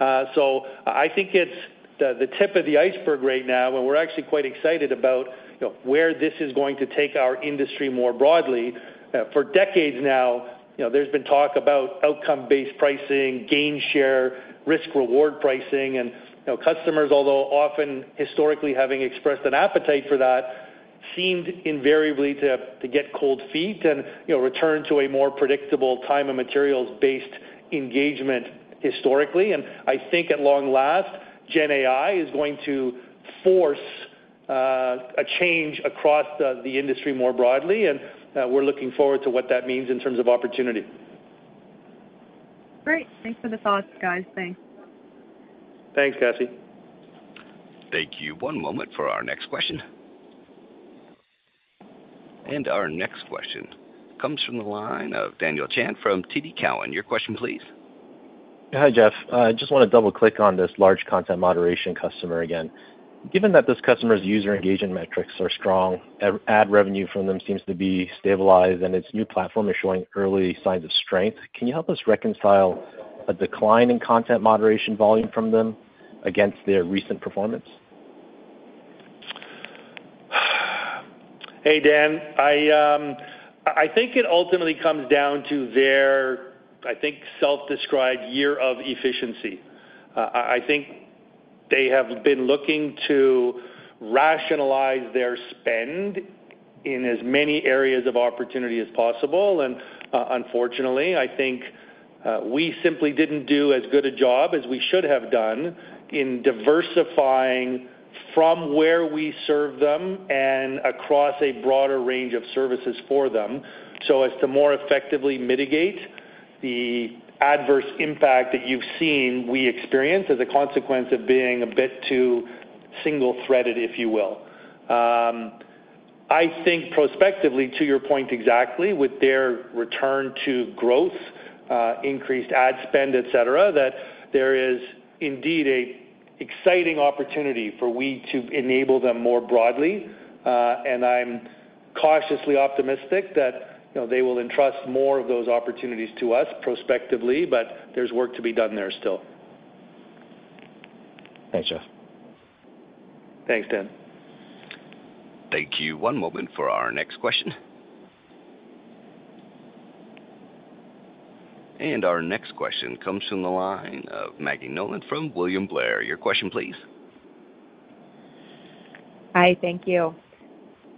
I think it's the, the tip of the iceberg right now, and we're actually quite excited about, you know, where this is going to take our industry more broadly. For decades now, you know, there's been talk about outcome-based pricing, gain share, risk-reward pricing. You know, customers, although often historically having expressed an appetite for that, seemed invariably to, to get cold feet and, you know, return to a more predictable time and materials-based engagement historically. I think at long last, Gen AI is going to force a change across the, the industry more broadly, and we're looking forward to what that means in terms of opportunity. Great. Thanks for the thoughts, guys. Thanks. Thanks, Cassie. Thank you. One moment for our next question. Our next question comes from the line of Daniel Chan from TD Cowen. Your question please. Hi, Jeff. I just wanna double-click on this large content moderation customer again. Given that this customer's user engagement metrics are strong, ad revenue from them seems to be stabilized, and its new platform is showing early signs of strength, can you help us reconcile a decline in content moderation volume from them against their recent performance? Hey, Dan. I think it ultimately comes down to their, I think, self-described year of efficiency. I think they have been looking to rationalize their spend in as many areas of opportunity as possible. Unfortunately, I think we simply didn't do as good a job as we should have done in diversifying from where we serve them and across a broader range of services for them, so as to more effectively mitigate the adverse impact that you've seen we experienced as a consequence of being a bit too single-threaded, if you will. I think prospectively, to your point exactly, with their return to growth, increased ad spend, et cetera, that there is indeed an exciting opportunity for we to enable them more broadly. I'm cautiously optimistic that, you know, they will entrust more of those opportunities to us prospectively, but there's work to be done there still. Thanks, Jeff. Thanks, Dan. Thank you. One moment for our next question. Our next question comes from the line of Maggie Nolan from William Blair. Your question, please. Hi, thank you.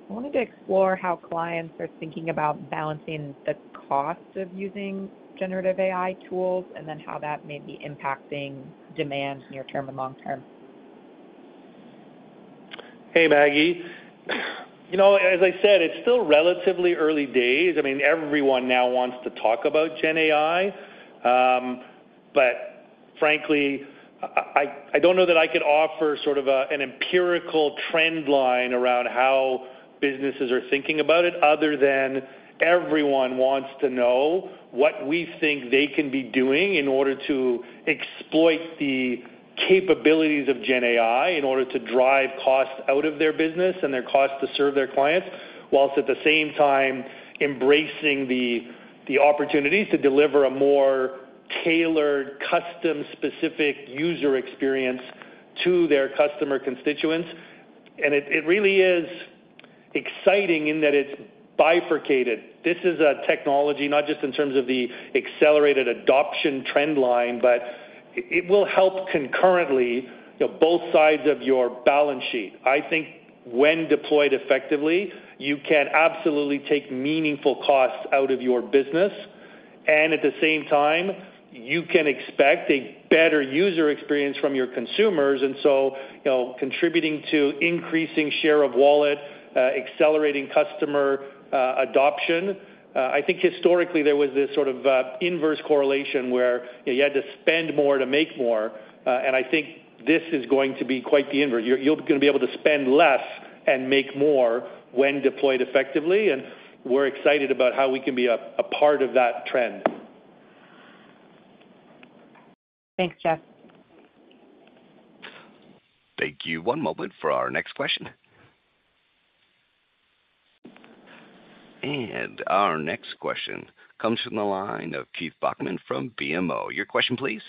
I wanted to explore how clients are thinking about balancing the cost of using generative AI tools, and then how that may be impacting demand near term and long term. Hey, Maggie. You know, as I said, it's still relatively early days. I mean, everyone now wants to talk about Gen AI. But frankly, I, I, I don't know that I could offer sort of a, an empirical trend line around how businesses are thinking about it, other than everyone wants to know what we think they can be doing in order to exploit the capabilities of Gen AI, in order to drive costs out of their business and their cost to serve their clients. Whilst at the same time, embracing the, the opportunities to deliver a more tailored, custom-specific user experience to their customer constituents. It, it really is exciting in that it's bifurcated. This is a technology, not just in terms of the accelerated adoption trend line, but it, it will help concurrently, you know, both sides of your balance sheet. I think when deployed effectively, you can absolutely take meaningful costs out of your business.... At the same time, you can expect a better user experience from your consumers. You know, contributing to increasing share of wallet, accelerating customer adoption. I think historically there was this sort of inverse correlation where you had to spend more to make more. I think this is going to be quite the inverse. You're, you're going to be able to spend less and make more when deployed effectively, and we're excited about how we can be a, a part of that trend. Thanks, Jeff. Thank you. One moment for our next question. Our next question comes from the line of Keith Bachman from BMO. Your question, please.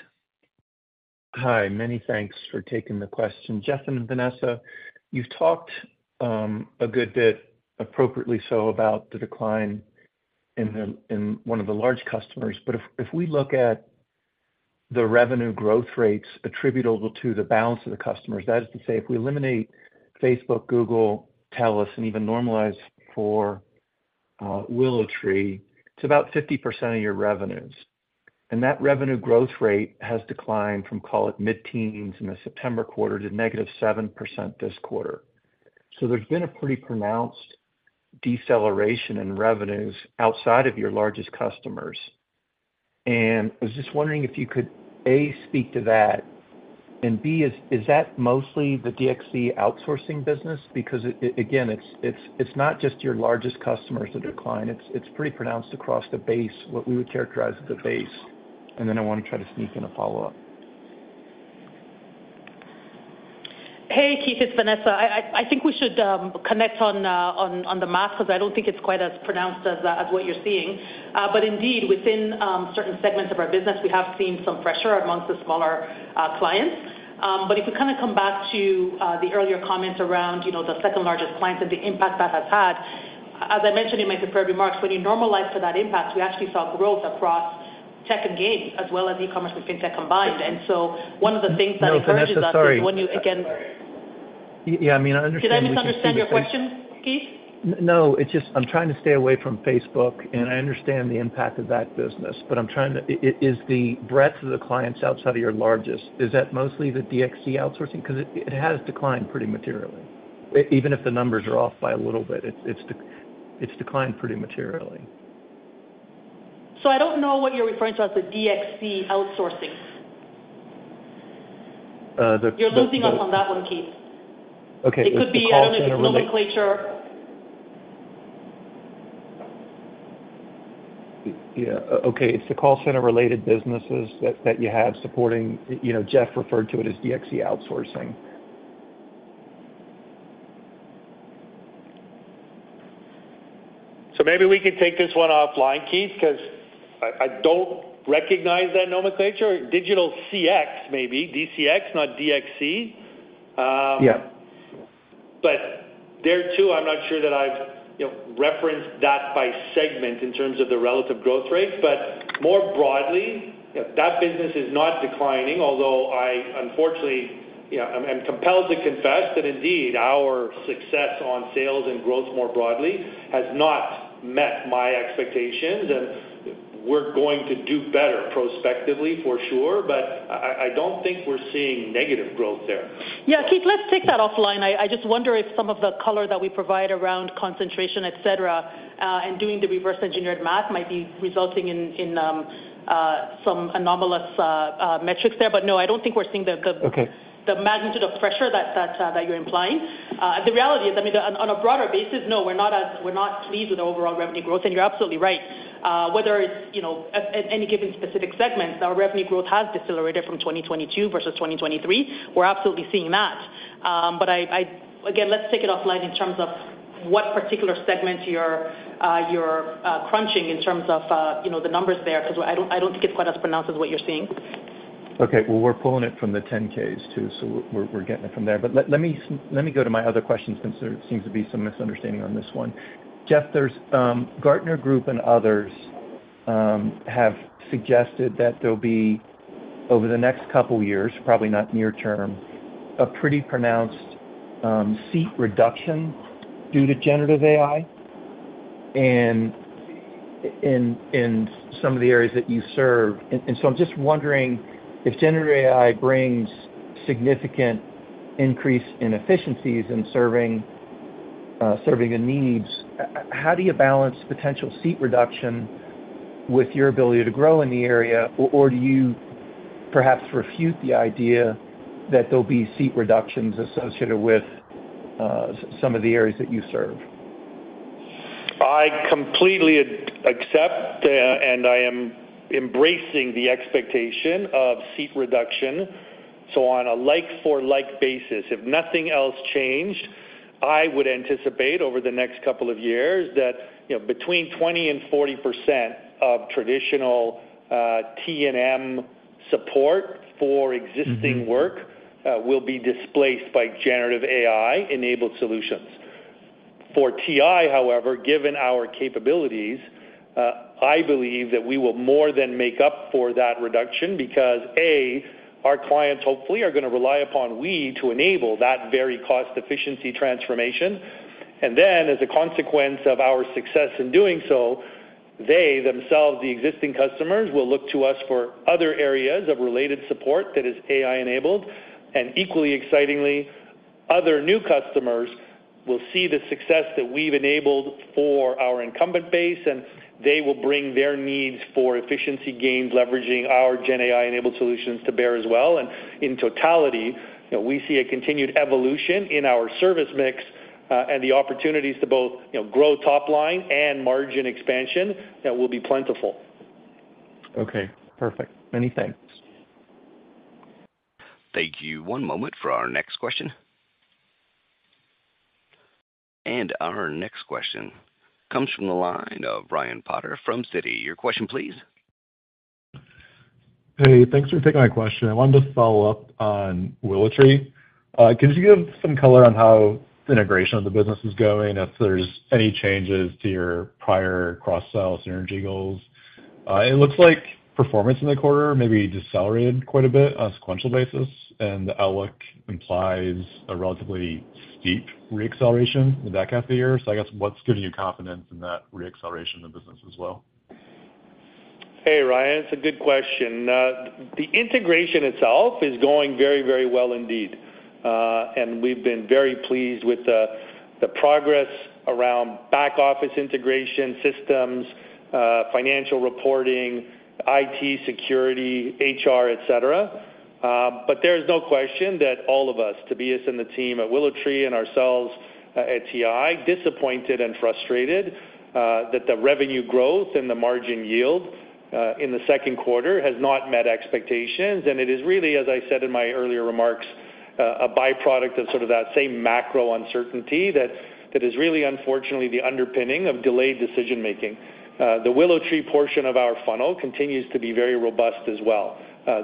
Hi, many thanks for taking the question. Jeff and Vanessa, you've talked a good bit, appropriately so, about the decline in one of the large customers. If we look at the revenue growth rates attributable to the balance of the customers, that is to say, if we eliminate Facebook, Google, Telus, and even normalize for WillowTree, it's about 50% of your revenues. That revenue growth rate has declined from, call it, mid-teens in the September quarter to -7% this quarter. There's been a pretty pronounced deceleration in revenues outside of your largest customers. I was just wondering if you could, A, speak to that, and B, is that mostly the DXC outsourcing business? Because again, it's not just your largest customers that decline. It's pretty pronounced across the base, what we would characterize as the base. Then I want to try to sneak in a follow-up. Hey, Keith, it's Vanessa. I think we should connect on on the math, because I don't think it's quite as pronounced as as what you're seeing. Indeed, within certain segments of our business, we have seen some pressure amongst the smaller clients. If you kind of come back to the earlier comments around, you know, the second-largest client and the impact that has had, as I mentioned in my prepared remarks, when you normalize for that impact, we actually saw growth across tech and games, as well as e-commerce with fintech combined. One of the things that encourages us is when you, again- Yeah, I mean, I understand- Did I misunderstand your question, Keith? No, it's just I'm trying to stay away from Facebook. I understand the impact of that business. I'm trying to, is, is the breadth of the clients outside of your largest, is that mostly the DXC outsourcing? It, it has declined pretty materially. Even if the numbers are off by a little bit, it's, it's declined pretty materially. I don't know what you're referring to as the DXC outsourcing. Uh, the, the- You're losing us on that one, Keith. Okay. It could be, I don't know, nomenclature. Yeah. Okay, it's the call center-related businesses that, that you have supporting... You know, Jeff referred to it as DCX outsourcing. maybe we could take this one offline, Keith, because I, I don't recognize that nomenclature. Digital CX, maybe DCX, not DXC. Yeah. There, too, I'm not sure that I've, you know, referenced that by segment in terms of the relative growth rate. More broadly, that business is not declining. Although I unfortunately, you know, I'm compelled to confess that indeed, our success on sales and growth more broadly has not met my expectations, and we're going to do better prospectively, for sure, but I, I, I don't think we're seeing negative growth there. Yeah, Keith, let's take that offline. I, I just wonder if some of the color that we provide around concentration, et cetera, and doing the reverse engineered math might be resulting in, in, some anomalous, metrics there. No, I don't think we're seeing the, the... Okay... the magnitude of pressure that, that, that you're implying. The reality is, I mean, on, on a broader basis, no, we're not we're not pleased with the overall revenue growth, and you're absolutely right. Whether it's, you know, at, at any given specific segments, our revenue growth has decelerated from 2022 versus 2023. We're absolutely seeing that. I-- again, let's take it offline in terms of what particular segment you're, you're, crunching in terms of, you know, the numbers there, because I don't, I don't think it's quite as pronounced as what you're seeing. Okay. Well, we're pulling it from the 10-Ks, too, so we're, we're getting it from there. Let me go to my other questions since there seems to be some misunderstanding on this one. Jeff, there's Gartner and others have suggested that there'll be, over the next couple of years, probably not near term, a pretty pronounced seat reduction due to generative AI and in, in some of the areas that you serve. I'm just wondering, if generative AI brings significant increase in efficiencies in serving, serving the needs, how do you balance potential seat reduction with your ability to grow in the area? Do you perhaps refute the idea that there'll be seat reductions associated with some of the areas that you serve? I completely accept, and I am embracing the expectation of seat reduction. On a like for like basis, if nothing else changed, I would anticipate over the next couple of years that, you know, between 20% and 40% of traditional, TNM support for existing. Mm-hmm work will be displaced by generative AI-enabled solutions. For TI, however, given our capabilities, I believe that we will more than make up for that reduction because, A, our clients hopefully are going to rely upon we to enable that very cost efficiency transformation. As a consequence of our success in doing so, they themselves, the existing customers, will look to us for other areas of related support that is AI-enabled. Equally excitingly, other new customers will see the success that we've enabled for our incumbent base, and they will bring their needs for efficiency gains, leveraging our Gen AI-enabled solutions to bear as well. In totality, we see a continued evolution in our service mix, and the opportunities to both, you know, grow top line and margin expansion that will be plentiful. Okay, perfect. Many thanks. Thank you. One moment for our next question. Our next question comes from the line of Ryan Potter from Citi. Your question, please. Hey, thanks for taking my question. I wanted to follow up on WillowTree. Can you give some color on how the integration of the business is going, if there's any changes to your prior cross-sale synergy goals? It looks like performance in the quarter maybe decelerated quite a bit on a sequential basis, and the outlook implies a relatively steep re-acceleration in the back half of the year. I guess, what's giving you confidence in that re-acceleration of the business as well? Hey, Ryan, it's a good question. The integration itself is going very, very well indeed. We've been very pleased with the, the progress around back-office integration systems, financial reporting, IT, security, HR, et cetera. There's no question that all of us, Tobias and the team at WillowTree and ourselves at TI, disappointed and frustrated, that the revenue growth and the margin yield, in the second quarter has not met expectations. It is really, as I said in my earlier remarks, a byproduct of sort of that same macro uncertainty that, that is really, unfortunately, the underpinning of delayed decision-making. The WillowTree portion of our funnel continues to be very robust as well.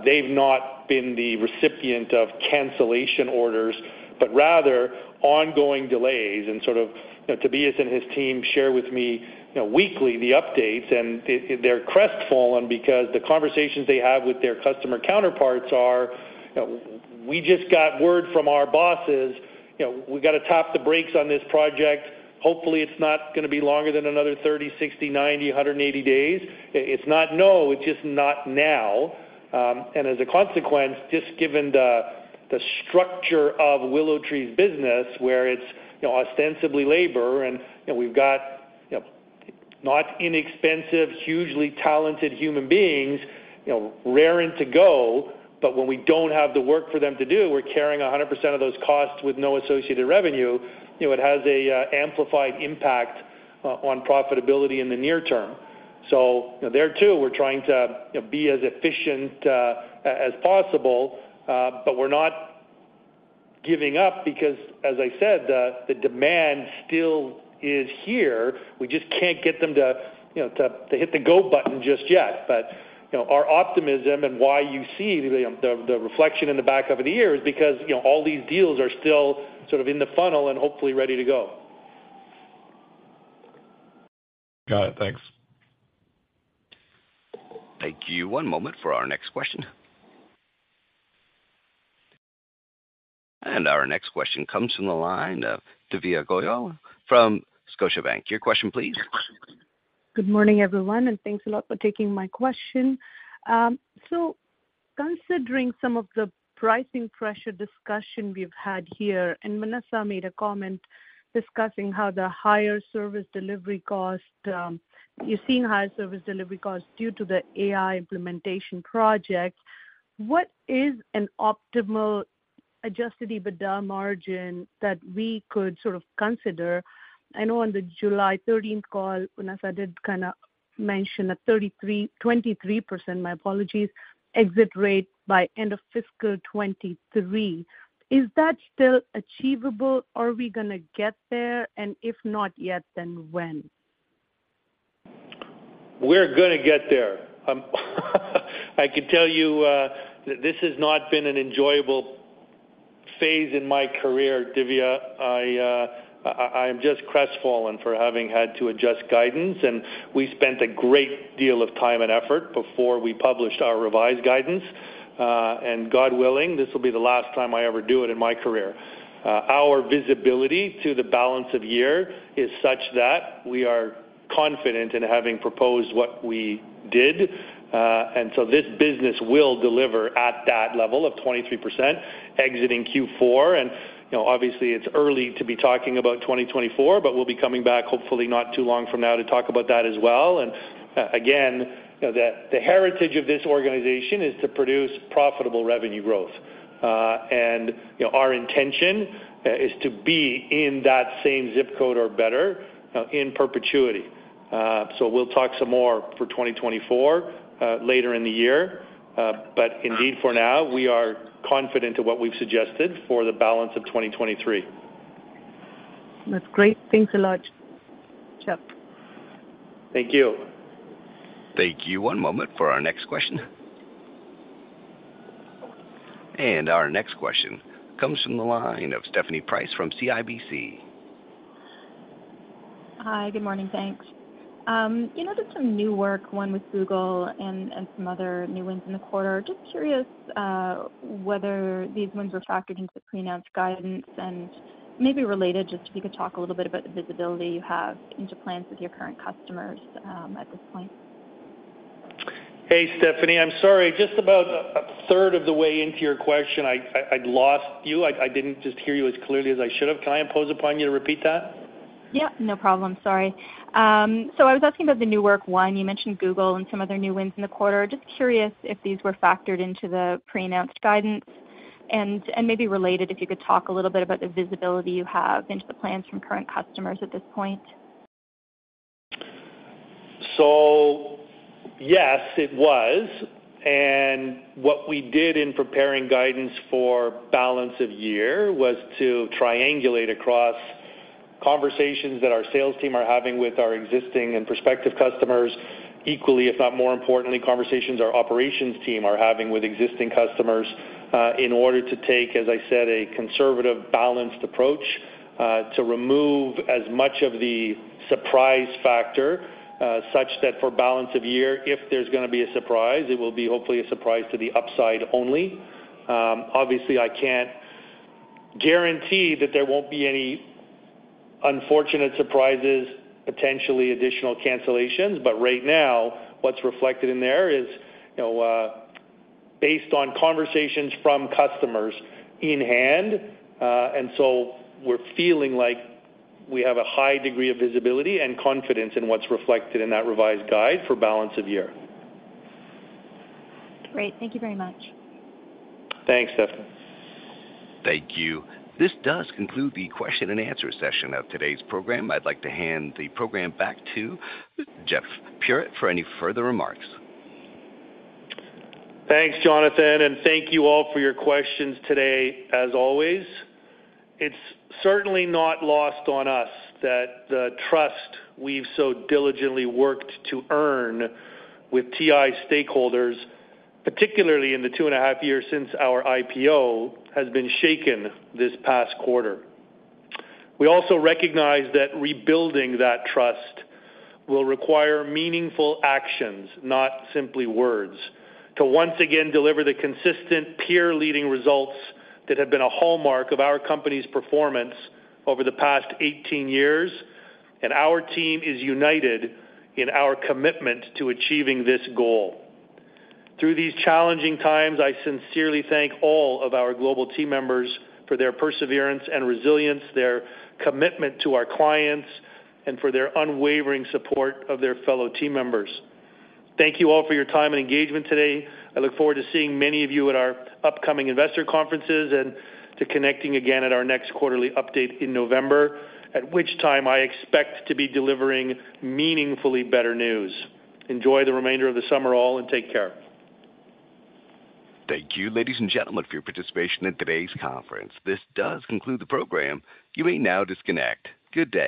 They've not been the recipient of cancellation orders, but rather ongoing delays. Sort of, Tobias and his team share with me, you know, weekly, the updates, and they- they're crestfallen because the conversations they have with their customer counterparts are, "We just got word from our bosses, you know, we got to tap the brakes on this project. Hopefully, it's not going to be longer than another 30, 60, 90, 180 days. It's not no, it's just not now." As a consequence, just given the, the structure of WillowTree's business, where it's, you know, ostensibly labor and, you know, we've got, you know, not inexpensive, hugely talented human beings, you know, raring to go, but when we don't have the work for them to do, we're carrying 100% of those costs with no associated revenue. You know, it has a amplified impact on profitability in the near term. There, too, we're trying to, you know, be as efficient, as possible, but we're not giving up because, as I said, the, the demand still is here. We just can't get them to, you know, to, to hit the go button just yet. Our optimism and why you see the, the, the reflection in the back half of the year is because, you know, all these deals are still sort of in the funnel and hopefully ready to go. Got it. Thanks. Thank you. One moment for our next question. Our next question comes from the line of Divya Goyal from Scotiabank. Your question, please. Good morning, everyone, and thanks a lot for taking my question. Considering some of the pricing pressure discussion we've had here, and Vanessa made a comment discussing how the higher service delivery cost, you're seeing higher service delivery costs due to the AI implementation project. What is an optimal adjusted EBITDA margin that we could sort of consider? I know on the July thirteenth call, Vanessa did kind of mention a 33-- 23%, my apologies, exit rate by end of fiscal 2023. Is that still achievable? Are we going to get there, and if not yet, then when? We're going to get there. I can tell you, this has not been an enjoyable phase in my career, Divya. I, I'm just crestfallen for having had to adjust guidance, and we spent a great deal of time and effort before we published our revised guidance. God willing, this will be the last time I ever do it in my career. Our visibility to the balance of year is such that we are confident in having proposed what we did. This business will deliver at that level of 23% exiting Q4. You know, obviously it's early to be talking about 2024, but we'll be coming back, hopefully not too long from now to talk about that as well. Again, you know, the, the heritage of this organization is to produce profitable revenue growth. You know, our intention is to be in that same zip code or better in perpetuity. We'll talk some more for 2024 later in the year. Indeed, for now, we are confident in what we've suggested for the balance of 2023. That's great. Thanks a lot, Jeff. Thank you. Thank you. One moment for our next question. Our next question comes from the line of Stephanie Price from CIBC. Hi, good morning. Thanks. You know, there's some new work, one with Google and, and some other new ones in the quarter. Just curious, whether these wins were factored into the pre-announced guidance and maybe related, just if you could talk a little bit about the visibility you have into plans with your current customers, at this point. Hey, Stephanie. I'm sorry, just about a third of the way into your question, I'd lost you. I didn't just hear you as clearly as I should have. Can I impose upon you to repeat that? Yeah, no problem. Sorry. I was asking about the new work. One, you mentioned Google and some other new wins in the quarter. Just curious if these were factored into the pre-announced guidance and, and maybe related, if you could talk a little bit about the visibility you have into the plans from current customers at this point. Yes, it was. What we did in preparing guidance for balance of year was to triangulate across conversations that our sales team are having with our existing and prospective customers. Equally, if not more importantly, conversations our operations team are having with existing customers, in order to take, as I said, a conservative, balanced approach, to remove as much of the surprise factor, such that for balance of year, if there's gonna be a surprise, it will be hopefully a surprise to the upside only. Obviously, I can't guarantee that there won't be any unfortunate surprises, potentially additional cancellations, but right now, what's reflected in there is, you know, based on conversations from customers in hand. So we're feeling like we have a high degree of visibility and confidence in what's reflected in that revised guide for balance of year. Great. Thank you very much. Thanks, Stephanie. Thank you. This does conclude the question and answer session of today's program. I'd like to hand the program back to Jeff Puritt for any further remarks. Thanks, Jonathan. Thank you all for your questions today, as always. It's certainly not lost on us that the trust we've so diligently worked to earn with TI stakeholders, particularly in the 2.5 years since our IPO, has been shaken this past quarter. We also recognize that rebuilding that trust will require meaningful actions, not simply words, to once again deliver the consistent peer-leading results that have been a hallmark of our company's performance over the past 18 years. Our team is united in our commitment to achieving this goal. Through these challenging times, I sincerely thank all of our global team members for their perseverance and resilience, their commitment to our clients, and for their unwavering support of their fellow team members. Thank you all for your time and engagement today. I look forward to seeing many of you at our upcoming investor conferences and to connecting again at our next quarterly update in November, at which time I expect to be delivering meaningfully better news. Enjoy the remainder of the summer all, and take care. Thank you, ladies and gentlemen, for your participation in today's conference. This does conclude the program. You may now disconnect. Good day!